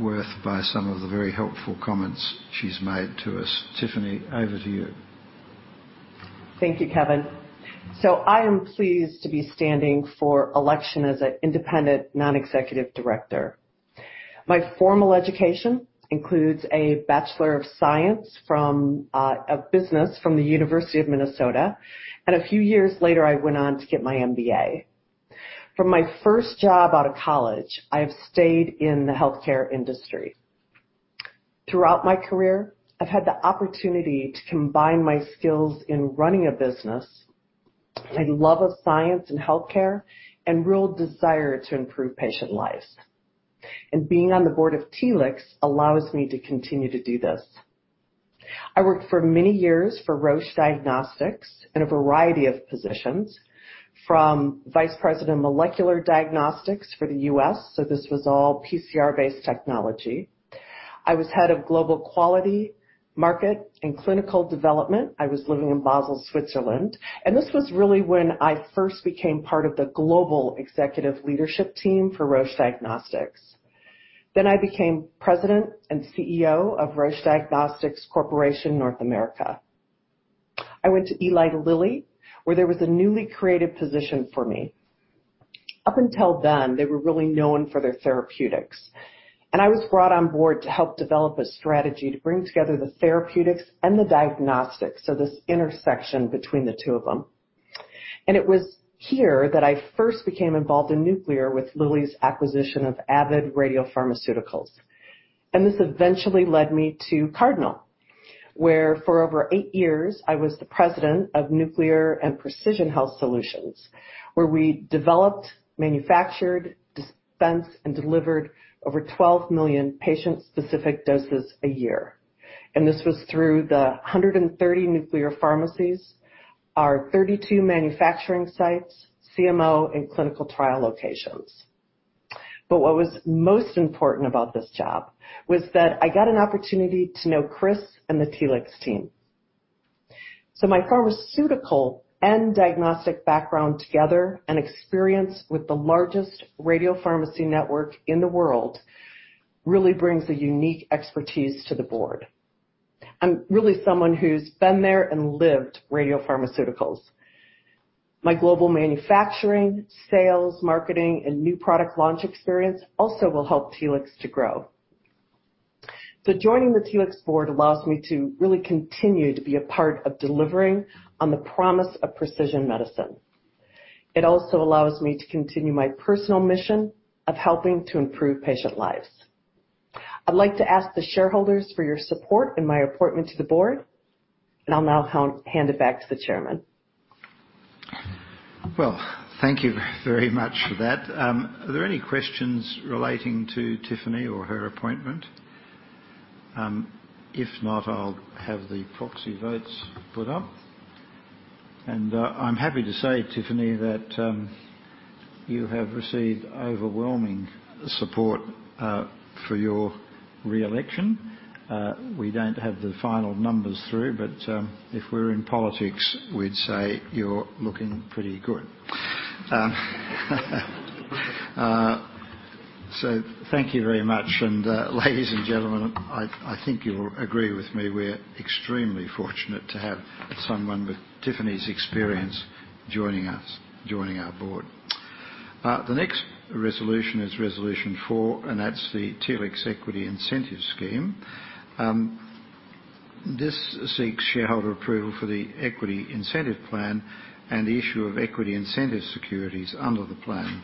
worth by some of the very helpful comments she's made to us. Tiffany, over to you. Thank you, Kevin. I am pleased to be standing for election as an independent non-executive director. My formal education includes a Bachelor of Science in Business from the University of Minnesota, and a few years later, I went on to get my MBA. From my first job out of college, I have stayed in the healthcare industry. Throughout my career, I've had the opportunity to combine my skills in running a business, a love of science and healthcare, and real desire to improve patient lives. Being on the board of Telix allows me to continue to do this. I worked for many years for Roche Diagnostics in a variety of positions, from Vice President, Molecular Diagnostics for the U.S., so this was all PCR-based technology. I was Head of Global Quality, Marketing, and Clinical Development. I was living in Basel, Switzerland, and this was really when I first became part of the global executive leadership team for Roche Diagnostics. I became President and CEO of Roche Diagnostics Corporation, North America. I went to Eli Lilly, where there was a newly created position for me. Up until then, they were really known for their therapeutics. I was brought on board to help develop a strategy to bring together the therapeutics and the diagnostics, so this intersection between the two of them. It was here that I first became involved in nuclear, with Lilly's acquisition of Avid Radiopharmaceuticals. This eventually led me to Cardinal Health, where for over eight years, I was the President of Nuclear and Precision Health Solutions, where we developed, manufactured, dispensed, and delivered over 12 million patient-specific doses a year. This was through the 130 nuclear pharmacies, our 32 manufacturing sites, CMO, and clinical trial locations. What was most important about this job was that I got an opportunity to know Chris and the Telix team. My pharmaceutical and diagnostic background together and experience with the largest radiopharmacy network in the world really brings a unique expertise to the board. I'm really someone who's been there and lived radiopharmaceuticals. My global manufacturing, sales, marketing, and new product launch experience also will help Telix to grow. Joining the Telix board allows me to really continue to be a part of delivering on the promise of precision medicine. It also allows me to continue my personal mission of helping to improve patient lives. I'd like to ask the shareholders for your support in my appointment to the board, and I'll now hand it back to the chairman. Well, thank you very much for that. Are there any questions relating to Tiffany or her appointment? If not, I'll have the proxy votes put up. I'm happy to say, Tiffany, that you have received overwhelming support for your reelection. We don't have the final numbers through, but if we're in politics, we'd say you're looking pretty good. Thank you very much. Ladies and gentlemen, I think you'll agree with me. We're extremely fortunate to have someone with Tiffany's experience joining us, joining our board. The next resolution is Resolution 4, and that's the Telix Equity Incentive Scheme. This seeks shareholder approval for the equity incentive plan and the issue of equity incentive securities under the plan.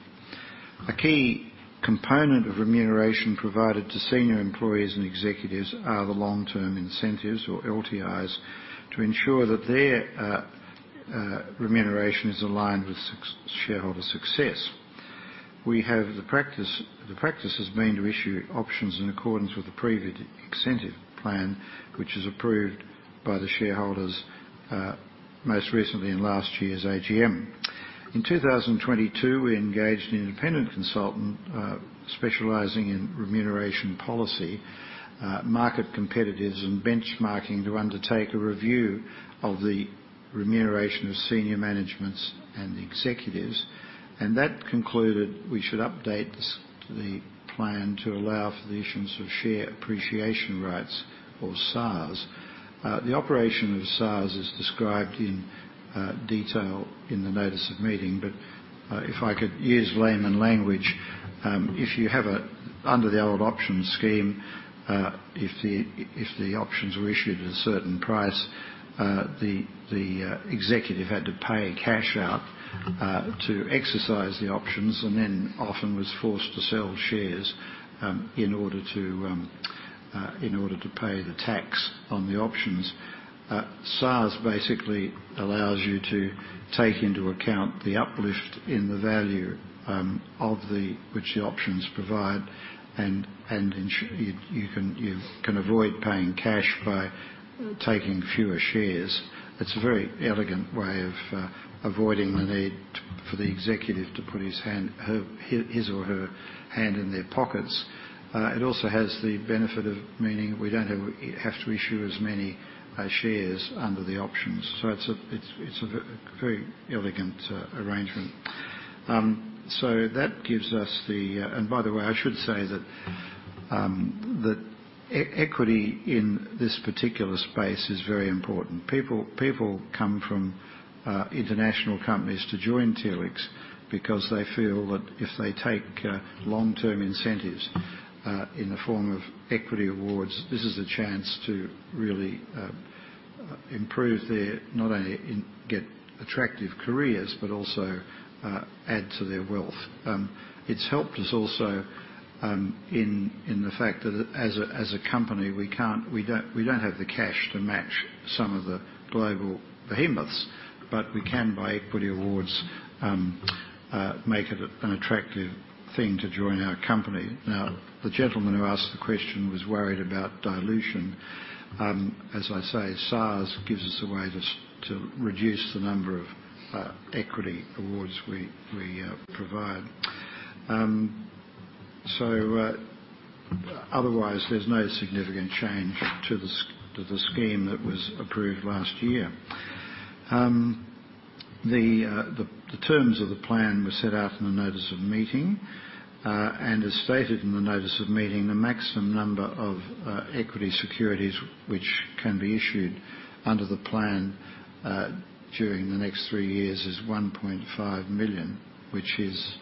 A key component of remuneration provided to senior employees and executives are the long-term incentives or LTIs to ensure that their remuneration is aligned with shareholder success. The practice has been to issue options in accordance with the previous incentive plan, which is approved by the shareholders, most recently in last year's AGM. In 2022, we engaged an independent consultant specializing in remuneration policy, market competitors, and benchmarking to undertake a review of the remuneration of senior managements and executives. That concluded we should update the plan to allow for the issuance of share appreciation rights or SARs. The operation of SARs is described in detail in the notice of meeting. If I could use layman language, under the old option scheme, if the options were issued at a certain price, the executive had to pay cash out to exercise the options and then often was forced to sell shares in order to pay the tax on the options. SARs basically allows you to take into account the uplift in the value of which the options provide and ensure you can avoid paying cash by taking fewer shares. It's a very elegant way of avoiding the need for the executive to put his or her hand in their pockets. It also has the benefit of meaning we don't have to issue as many shares under the options. It's a very elegant arrangement. By the way, I should say that equity in this particular space is very important. People come from international companies to join Telix because they feel that if they take long-term incentives in the form of equity awards, this is a chance to really not only get attractive careers, but also add to their wealth. It's helped us also in the fact that as a company, we don't have the cash to match some of the global behemoths, but we can by equity awards make it an attractive thing to join our company. Now, the gentleman who asked the question was worried about dilution. As I say, SARs gives us a way to reduce the number of equity awards we provide. Otherwise, there's no significant change to the scheme that was approved last year. The terms of the plan were set out in the notice of meeting. As stated in the notice of meeting, the maximum number of equity securities which can be issued under the plan during the next three years is 1.5 million, which is.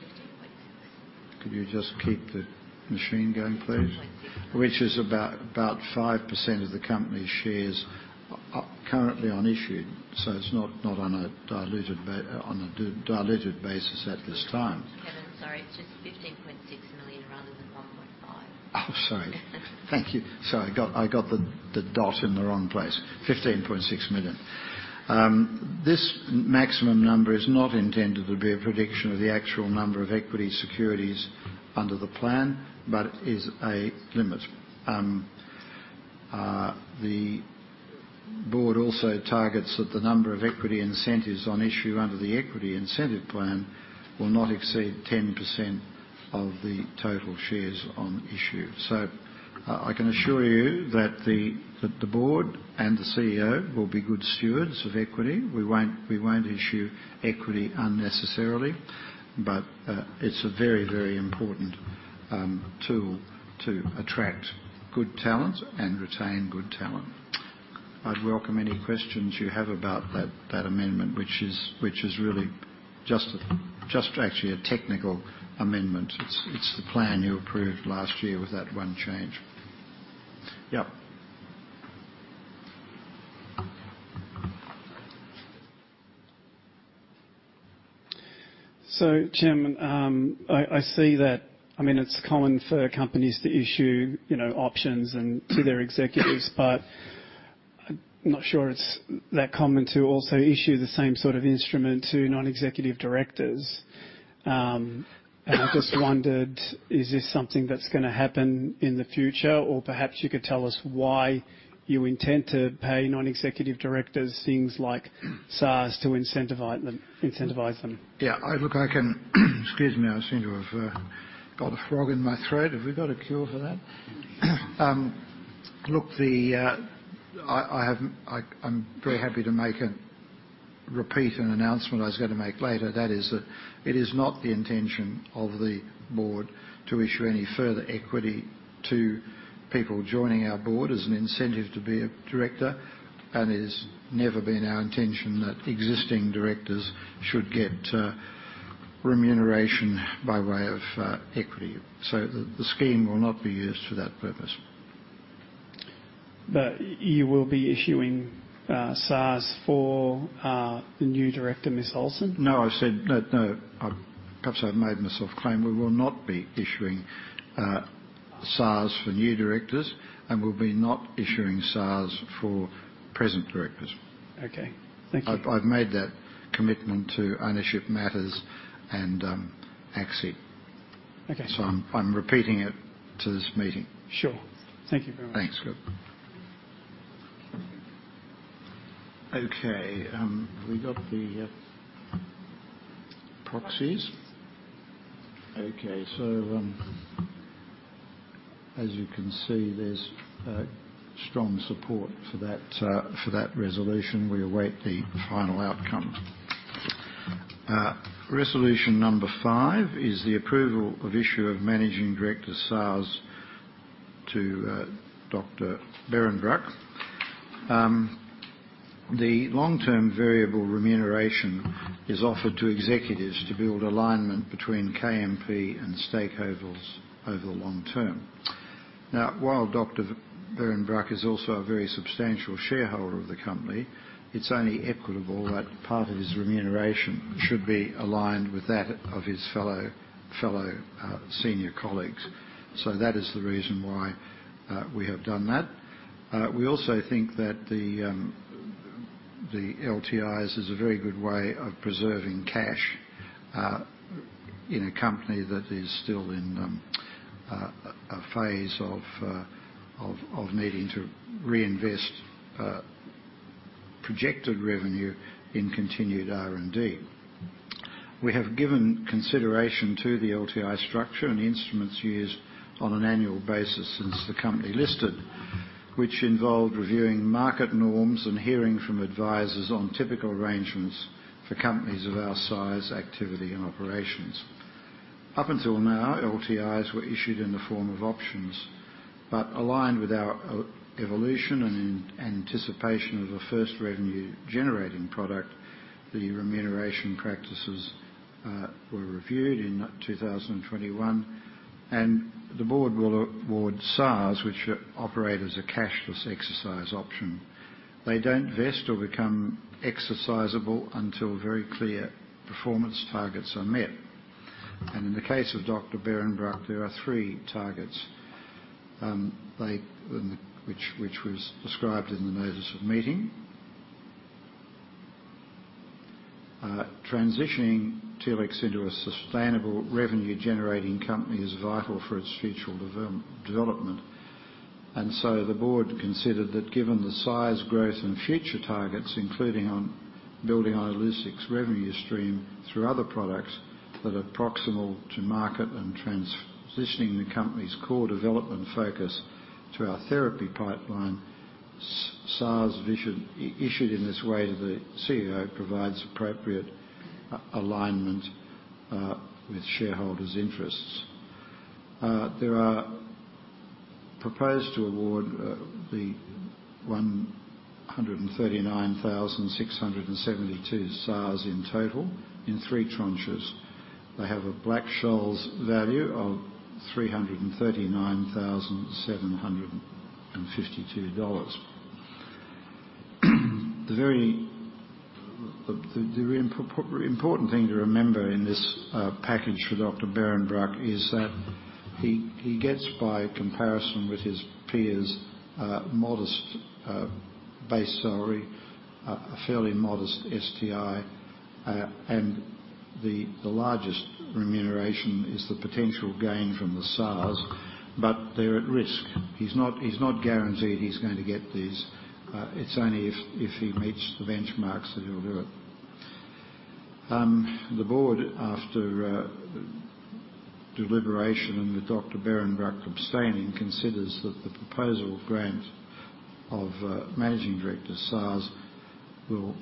AUD 15.6 million. Could you just keep the machine going, please? AUD 1.6 million. Which is about 5% of the company's shares currently unissued. It's not on a diluted basis at this time. Kevin, sorry. It's just 15.6 million rather than 1.5 million. Oh, sorry. Thank you. Sorry, I got the dot in the wrong place. 15.6 million. This maximum number is not intended to be a prediction of the actual number of equity securities under the plan, but is a limit. The board also targets that the number of equity incentives on issue under the equity incentive plan will not exceed 10% of the total shares on issue. So I can assure you that the board and the CEO will be good stewards of equity. We won't issue equity unnecessarily, but it's a very important tool to attract good talent and retain good talent. I'd welcome any questions you have about that amendment, which is really just actually a technical amendment. It's the plan you approved last year with that one change. Yep. Chairman, I see that. I mean, it's common for companies to issue, you know, options and to their executives, but I'm not sure it's that common to also issue the same sort of instrument to non-executive directors. I just wondered, is this something that's gonna happen in the future? Or perhaps you could tell us why you intend to pay non-executive directors things like SARs to incentivize them. Yeah. Look, excuse me, I seem to have got a frog in my throat. Have we got a cure for that? Look, I'm very happy to repeat an announcement I was gonna make later. That is that it is not the intention of the board to issue any further equity to people joining our board as an incentive to be a director, and it has never been our intention that existing directors should get remuneration by way of equity. The scheme will not be used for that purpose. You will be issuing SARs for the new director, Ms. Olson? No. No. Perhaps I've made myself clear. We will not be issuing SARs for new directors, and we'll be not issuing SARs for present directors. Okay. Thank you. I've made that commitment to Ownership Matters and ACSI. Okay. I'm repeating it to this meeting. Sure. Thank you very much. Thanks. Good. Okay, have we got the proxies? Okay. As you can see, there's strong support for that resolution. We await the final outcome. Resolution 5 is the approval of issue of managing director SARs to Dr. Behrenbruch. The long-term variable remuneration is offered to executives to build alignment between KMP and stakeholders over the long term. Now, while Dr. Behrenbruch is also a very substantial shareholder of the company, it's only equitable that part of his remuneration should be aligned with that of his fellow senior colleagues. That is the reason why we have done that. We also think that the LTIs is a very good way of preserving cash in a company that is still in a phase of needing to reinvest projected revenue in continued R&D. We have given consideration to the LTI structure and the instruments used on an annual basis since the company listed, which involved reviewing market norms and hearing from advisors on typical arrangements for companies of our size, activity and operations. Up until now, LTIs were issued in the form of options, but aligned with our evolution and anticipation of a first revenue-generating product, the remuneration practices were reviewed in 2021, and the board will award SARs, which operate as a cashless exercise option. They don't vest or become exercisable until very clear performance targets are met. In the case of Dr. Behrenbruch, there are three targets which was described in the notice of meeting. Transitioning Telix into a sustainable revenue-generating company is vital for its future development. The board considered that given the size, growth, and future targets, including on building on Illuccix revenue stream through other products that are proximal to market, and transitioning the company's core development focus to our therapy pipeline, SARs issuance issued in this way to the CEO, provides appropriate alignment with shareholders' interests. Proposed to award the 139,672 SARs in total in three tranches. They have a Black-Scholes value of AUD 339,752. The important thing to remember in this package for Dr. Behrenbruch is that he gets, by comparison with his peers, a modest base salary, a fairly modest STI, and the largest remuneration is the potential gain from the SARs, but they're at risk. He's not guaranteed he's going to get these. It's only if he meets the benchmarks that he'll do it. The board, after deliberation and with Dr. Behrenbruch abstaining, considers that the proposal grant of managing director SARs will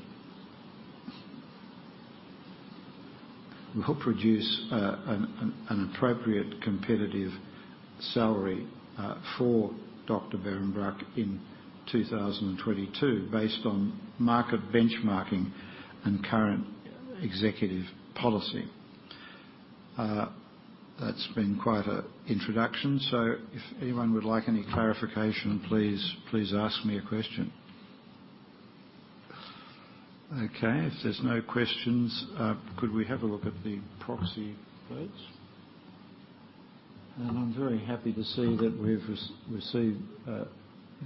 produce an appropriate competitive salary for Dr. Behrenbruch in 2022, based on market benchmarking and current executive policy. That's been quite an introduction, so if anyone would like any clarification, please ask me a question. Okay, if there's no questions, could we have a look at the proxy votes? I'm very happy to see that we've received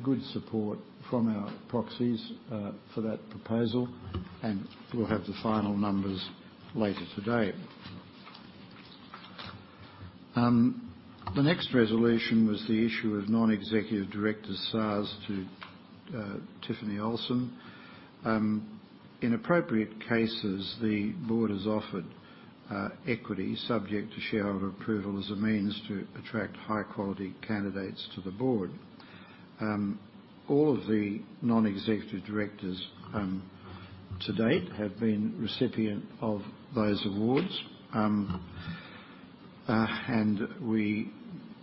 good support from our proxies for that proposal, and we'll have the final numbers later today. The next resolution was the issue of non-executive director SARs to Tiffany Olson. In appropriate cases, the board has offered equity subject to shareholder approval as a means to attract high-quality candidates to the board. All of the non-executive directors to date have been recipient of those awards. We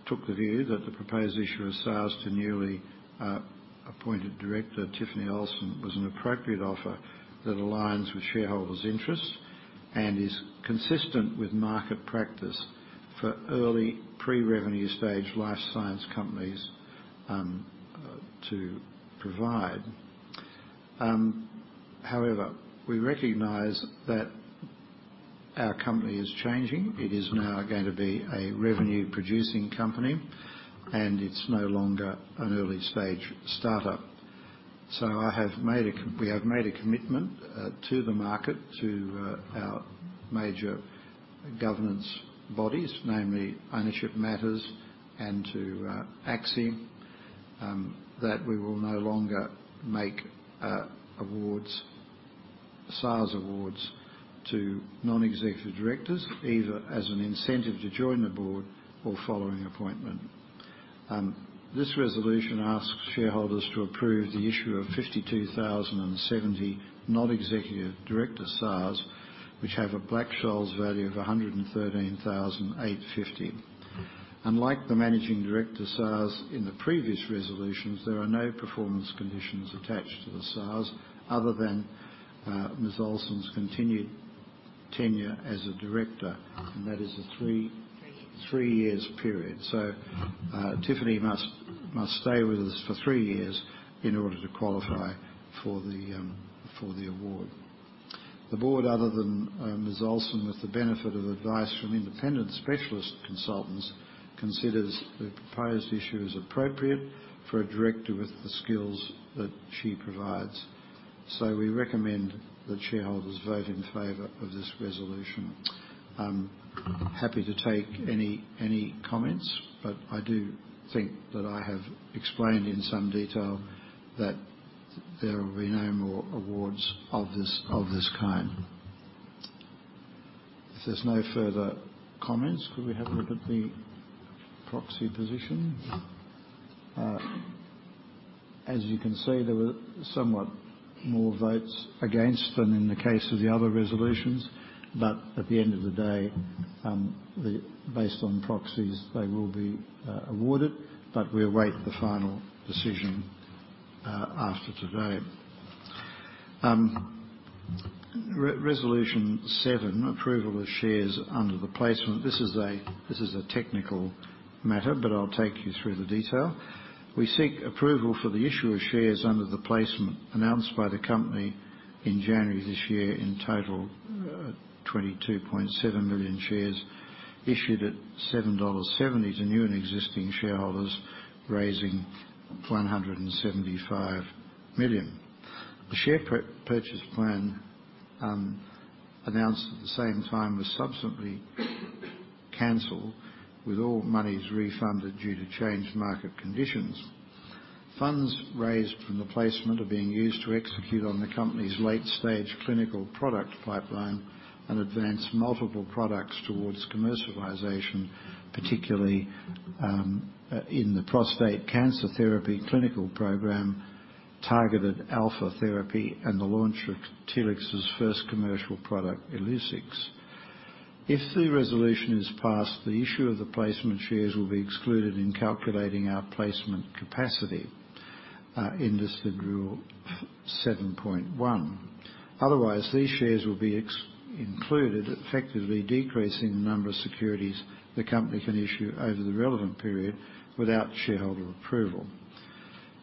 took the view that the proposed issue of SARs to newly appointed director, Tiffany Olson, was an appropriate offer that aligns with shareholders' interests and is consistent with market practice for early pre-revenue stage life science companies to provide. However, we recognize that our company is changing. It is now going to be a revenue-producing company, and it's no longer an early-stage startup. We have made a commitment to the market, to our major governance bodies, namely Ownership Matters and to ACSI, that we will no longer make awards, SARs awards to non-executive directors, either as an incentive to join the board or following appointment. This resolution asks shareholders to approve the issue of 52,070 non-executive director SARs, which have a Black-Scholes value of 113,850. Unlike the managing director SARs in the previous resolutions, there are no performance conditions attached to the SARs other than Ms. Olson's continued tenure as a director, and that is a three- three years. three years period. Tiffany must stay with us for three years in order to qualify for the award. The board, other than Ms. Olson, with the benefit of advice from independent specialist consultants, considers the proposed issue as appropriate for a director with the skills that she provides. We recommend that shareholders vote in favor of this resolution. I'm happy to take any comments, but I do think that I have explained in some detail that there will be no more awards of this kind. If there's no further comments, could we have a look at the proxy position? As you can see, there were somewhat more votes against than in the case of the other resolutions. At the end of the day, the Based on proxies, they will be awarded, but we await the final decision after today. Resolution 7, approval of shares under the placement. This is a technical matter, but I'll take you through the detail. We seek approval for the issue of shares under the placement announced by the company in January this year, in total, 22.7 million shares issued at 7.70 dollars to new and existing shareholders, raising 175 million. The share purchase plan, announced at the same time was subsequently canceled with all monies refunded due to changed market conditions. Funds raised from the placement are being used to execute on the company's late-stage clinical product pipeline and advance multiple products towards commercialization, particularly in the prostate cancer therapy clinical program, targeted alpha therapy and the launch of Telix's first commercial product, Illuccix. If the resolution is passed, the issue of the placement shares will be excluded in calculating our placement capacity in Listing Rule 7.1. Otherwise, these shares will be included, effectively decreasing the number of securities the company can issue over the relevant period without shareholder approval.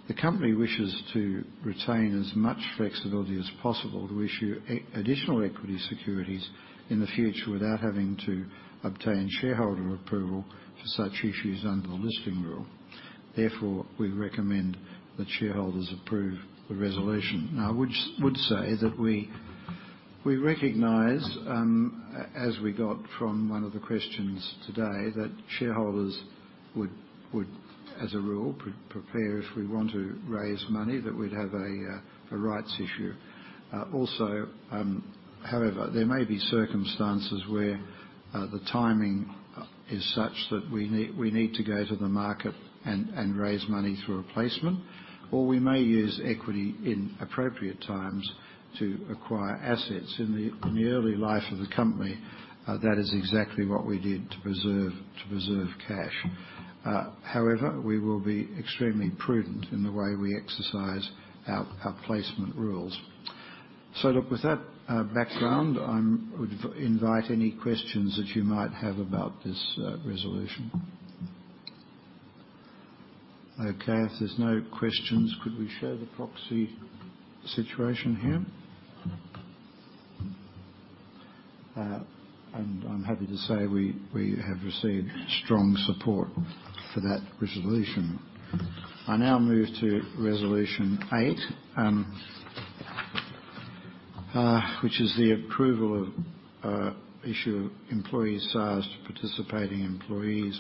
The company wishes to retain as much flexibility as possible to issue additional equity securities in the future without having to obtain shareholder approval for such issues under the Listing Rule. Therefore, we recommend that shareholders approve the resolution. Now, I would say that we recognize, as we got from one of the questions today, that shareholders would, as a rule, prefer if we want to raise money that we'd have a rights issue. However, there may be circumstances where the timing is such that we need to go to the market and raise money through a placement, or we may use equity in appropriate times to acquire assets. In the early life of the company, that is exactly what we did to preserve cash. However, we will be extremely prudent in the way we exercise our placement rules. Look, with that background, I would invite any questions that you might have about this resolution. Okay, if there's no questions, could we show the proxy situation here? I'm happy to say we have received strong support for that resolution. I now move to resolution eight, which is the approval of issue of employee SARs to participating employees.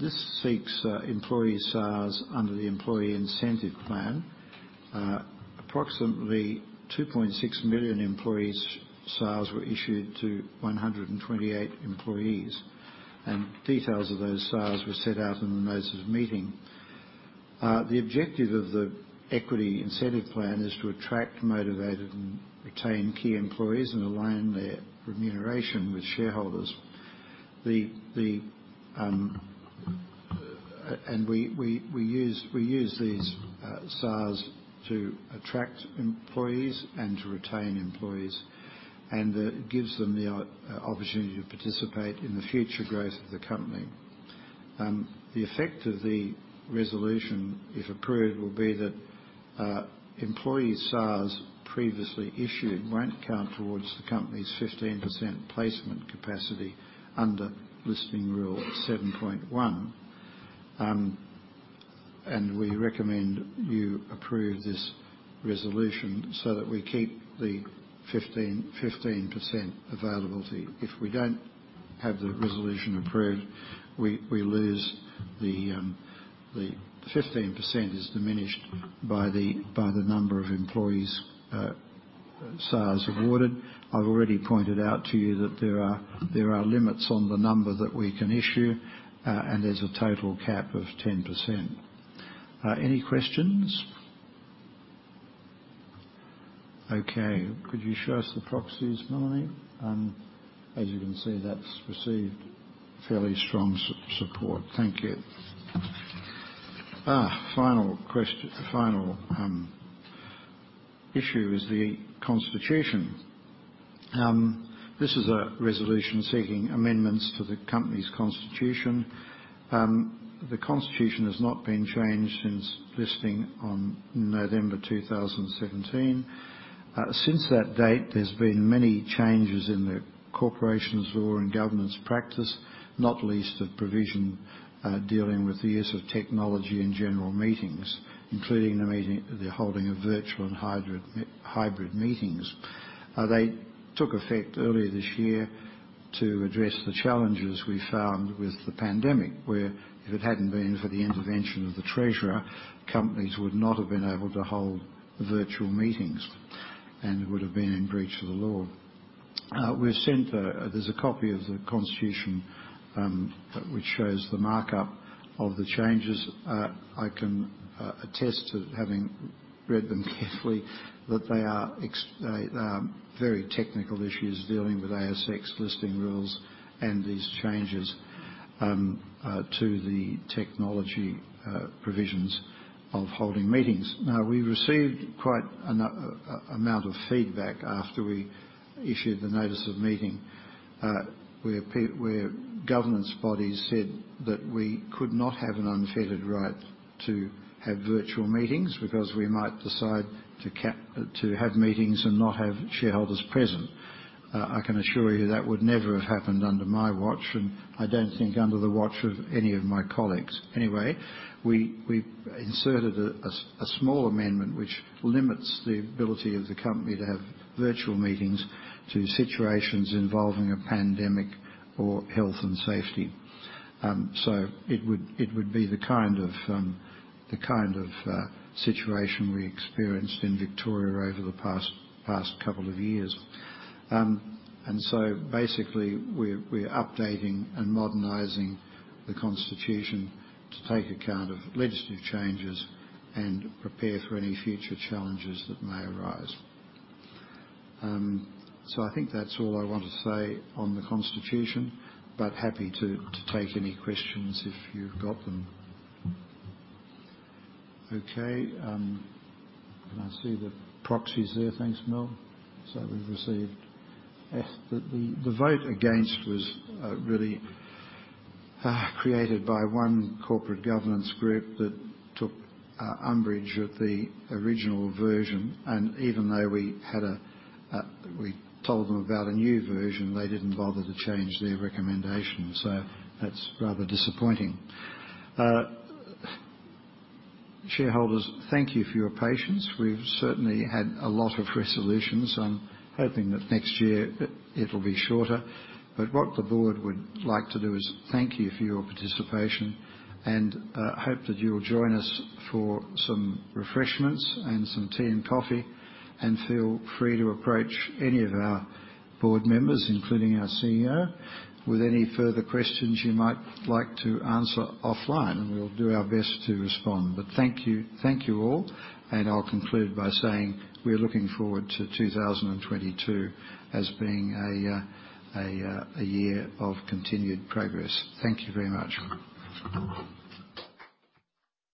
This seeks employee SARs under the employee incentive plan. Approximately 2.6 million employee SARs were issued to 128 employees, and details of those SARs were set out in the notice of meeting. The objective of the equity incentive plan is to attract, motivate, and retain key employees and align their remuneration with shareholders. We use these SARs to attract employees and to retain employees, and that gives them the opportunity to participate in the future growth of the company. The effect of the resolution, if approved, will be that employee SARs previously issued won't count towards the company's 15% placement capacity under Listing Rule 7.1. We recommend you approve this resolution so that we keep the 15% availability. If we don't have the resolution approved, we lose the 15% is diminished by the number of employees SARs awarded. I've already pointed out to you that there are limits on the number that we can issue, and there's a total cap of 10%. Any questions? Okay, could you show us the proxies, Melanie? As you can see, that's received fairly strong support. Thank you. Final issue is the constitution. This is a resolution seeking amendments to the company's constitution. The constitution has not been changed since listing on November 2017. Since that date, there's been many changes in the Corporations Act or in governance practice, not least the provision dealing with the use of technology in general meetings, including the holding of virtual and hybrid meetings. They took effect earlier this year to address the challenges we found with the pandemic, where if it hadn't been for the intervention of the Treasurer, companies would not have been able to hold virtual meetings and would have been in breach of the law. We've sent a copy of the Constitution, which shows the markup of the changes. I can attest to having read them carefully that they are very technical issues dealing with ASX listing rules and these changes to the technology provisions of holding meetings. Now we've received quite an amount of feedback after we issued the notice of meeting, where governance bodies said that we could not have an unfettered right to have virtual meetings because we might decide to have meetings and not have shareholders present. I can assure you that would never have happened under my watch, and I don't think under the watch of any of my colleagues. Anyway, we inserted a small amendment which limits the ability of the company to have virtual meetings to situations involving a pandemic or health and safety. It would be the kind of situation we experienced in Victoria over the past couple of years. Basically, we're updating and modernizing the constitution to take account of legislative changes and prepare for any future challenges that may arise. I think that's all I want to say on the constitution, but happy to take any questions if you've got them. Okay, can I see the proxies there? Thanks, Mel. Yes, the vote against was really created by one corporate governance group that took umbrage at the original version, and even though we told them about a new version, they didn't bother to change their recommendation. That's rather disappointing. Shareholders, thank you for your patience. We've certainly had a lot of resolutions. I'm hoping that next year it'll be shorter. What the board would like to do is thank you for your participation, and hope that you'll join us for some refreshments and some tea and coffee, and feel free to approach any of our board members, including our CEO, with any further questions you might like to answer offline, and we'll do our best to respond. Thank you, thank you all, and I'll conclude by saying we're looking forward to 2022 as being a year of continued progress. Thank you very much.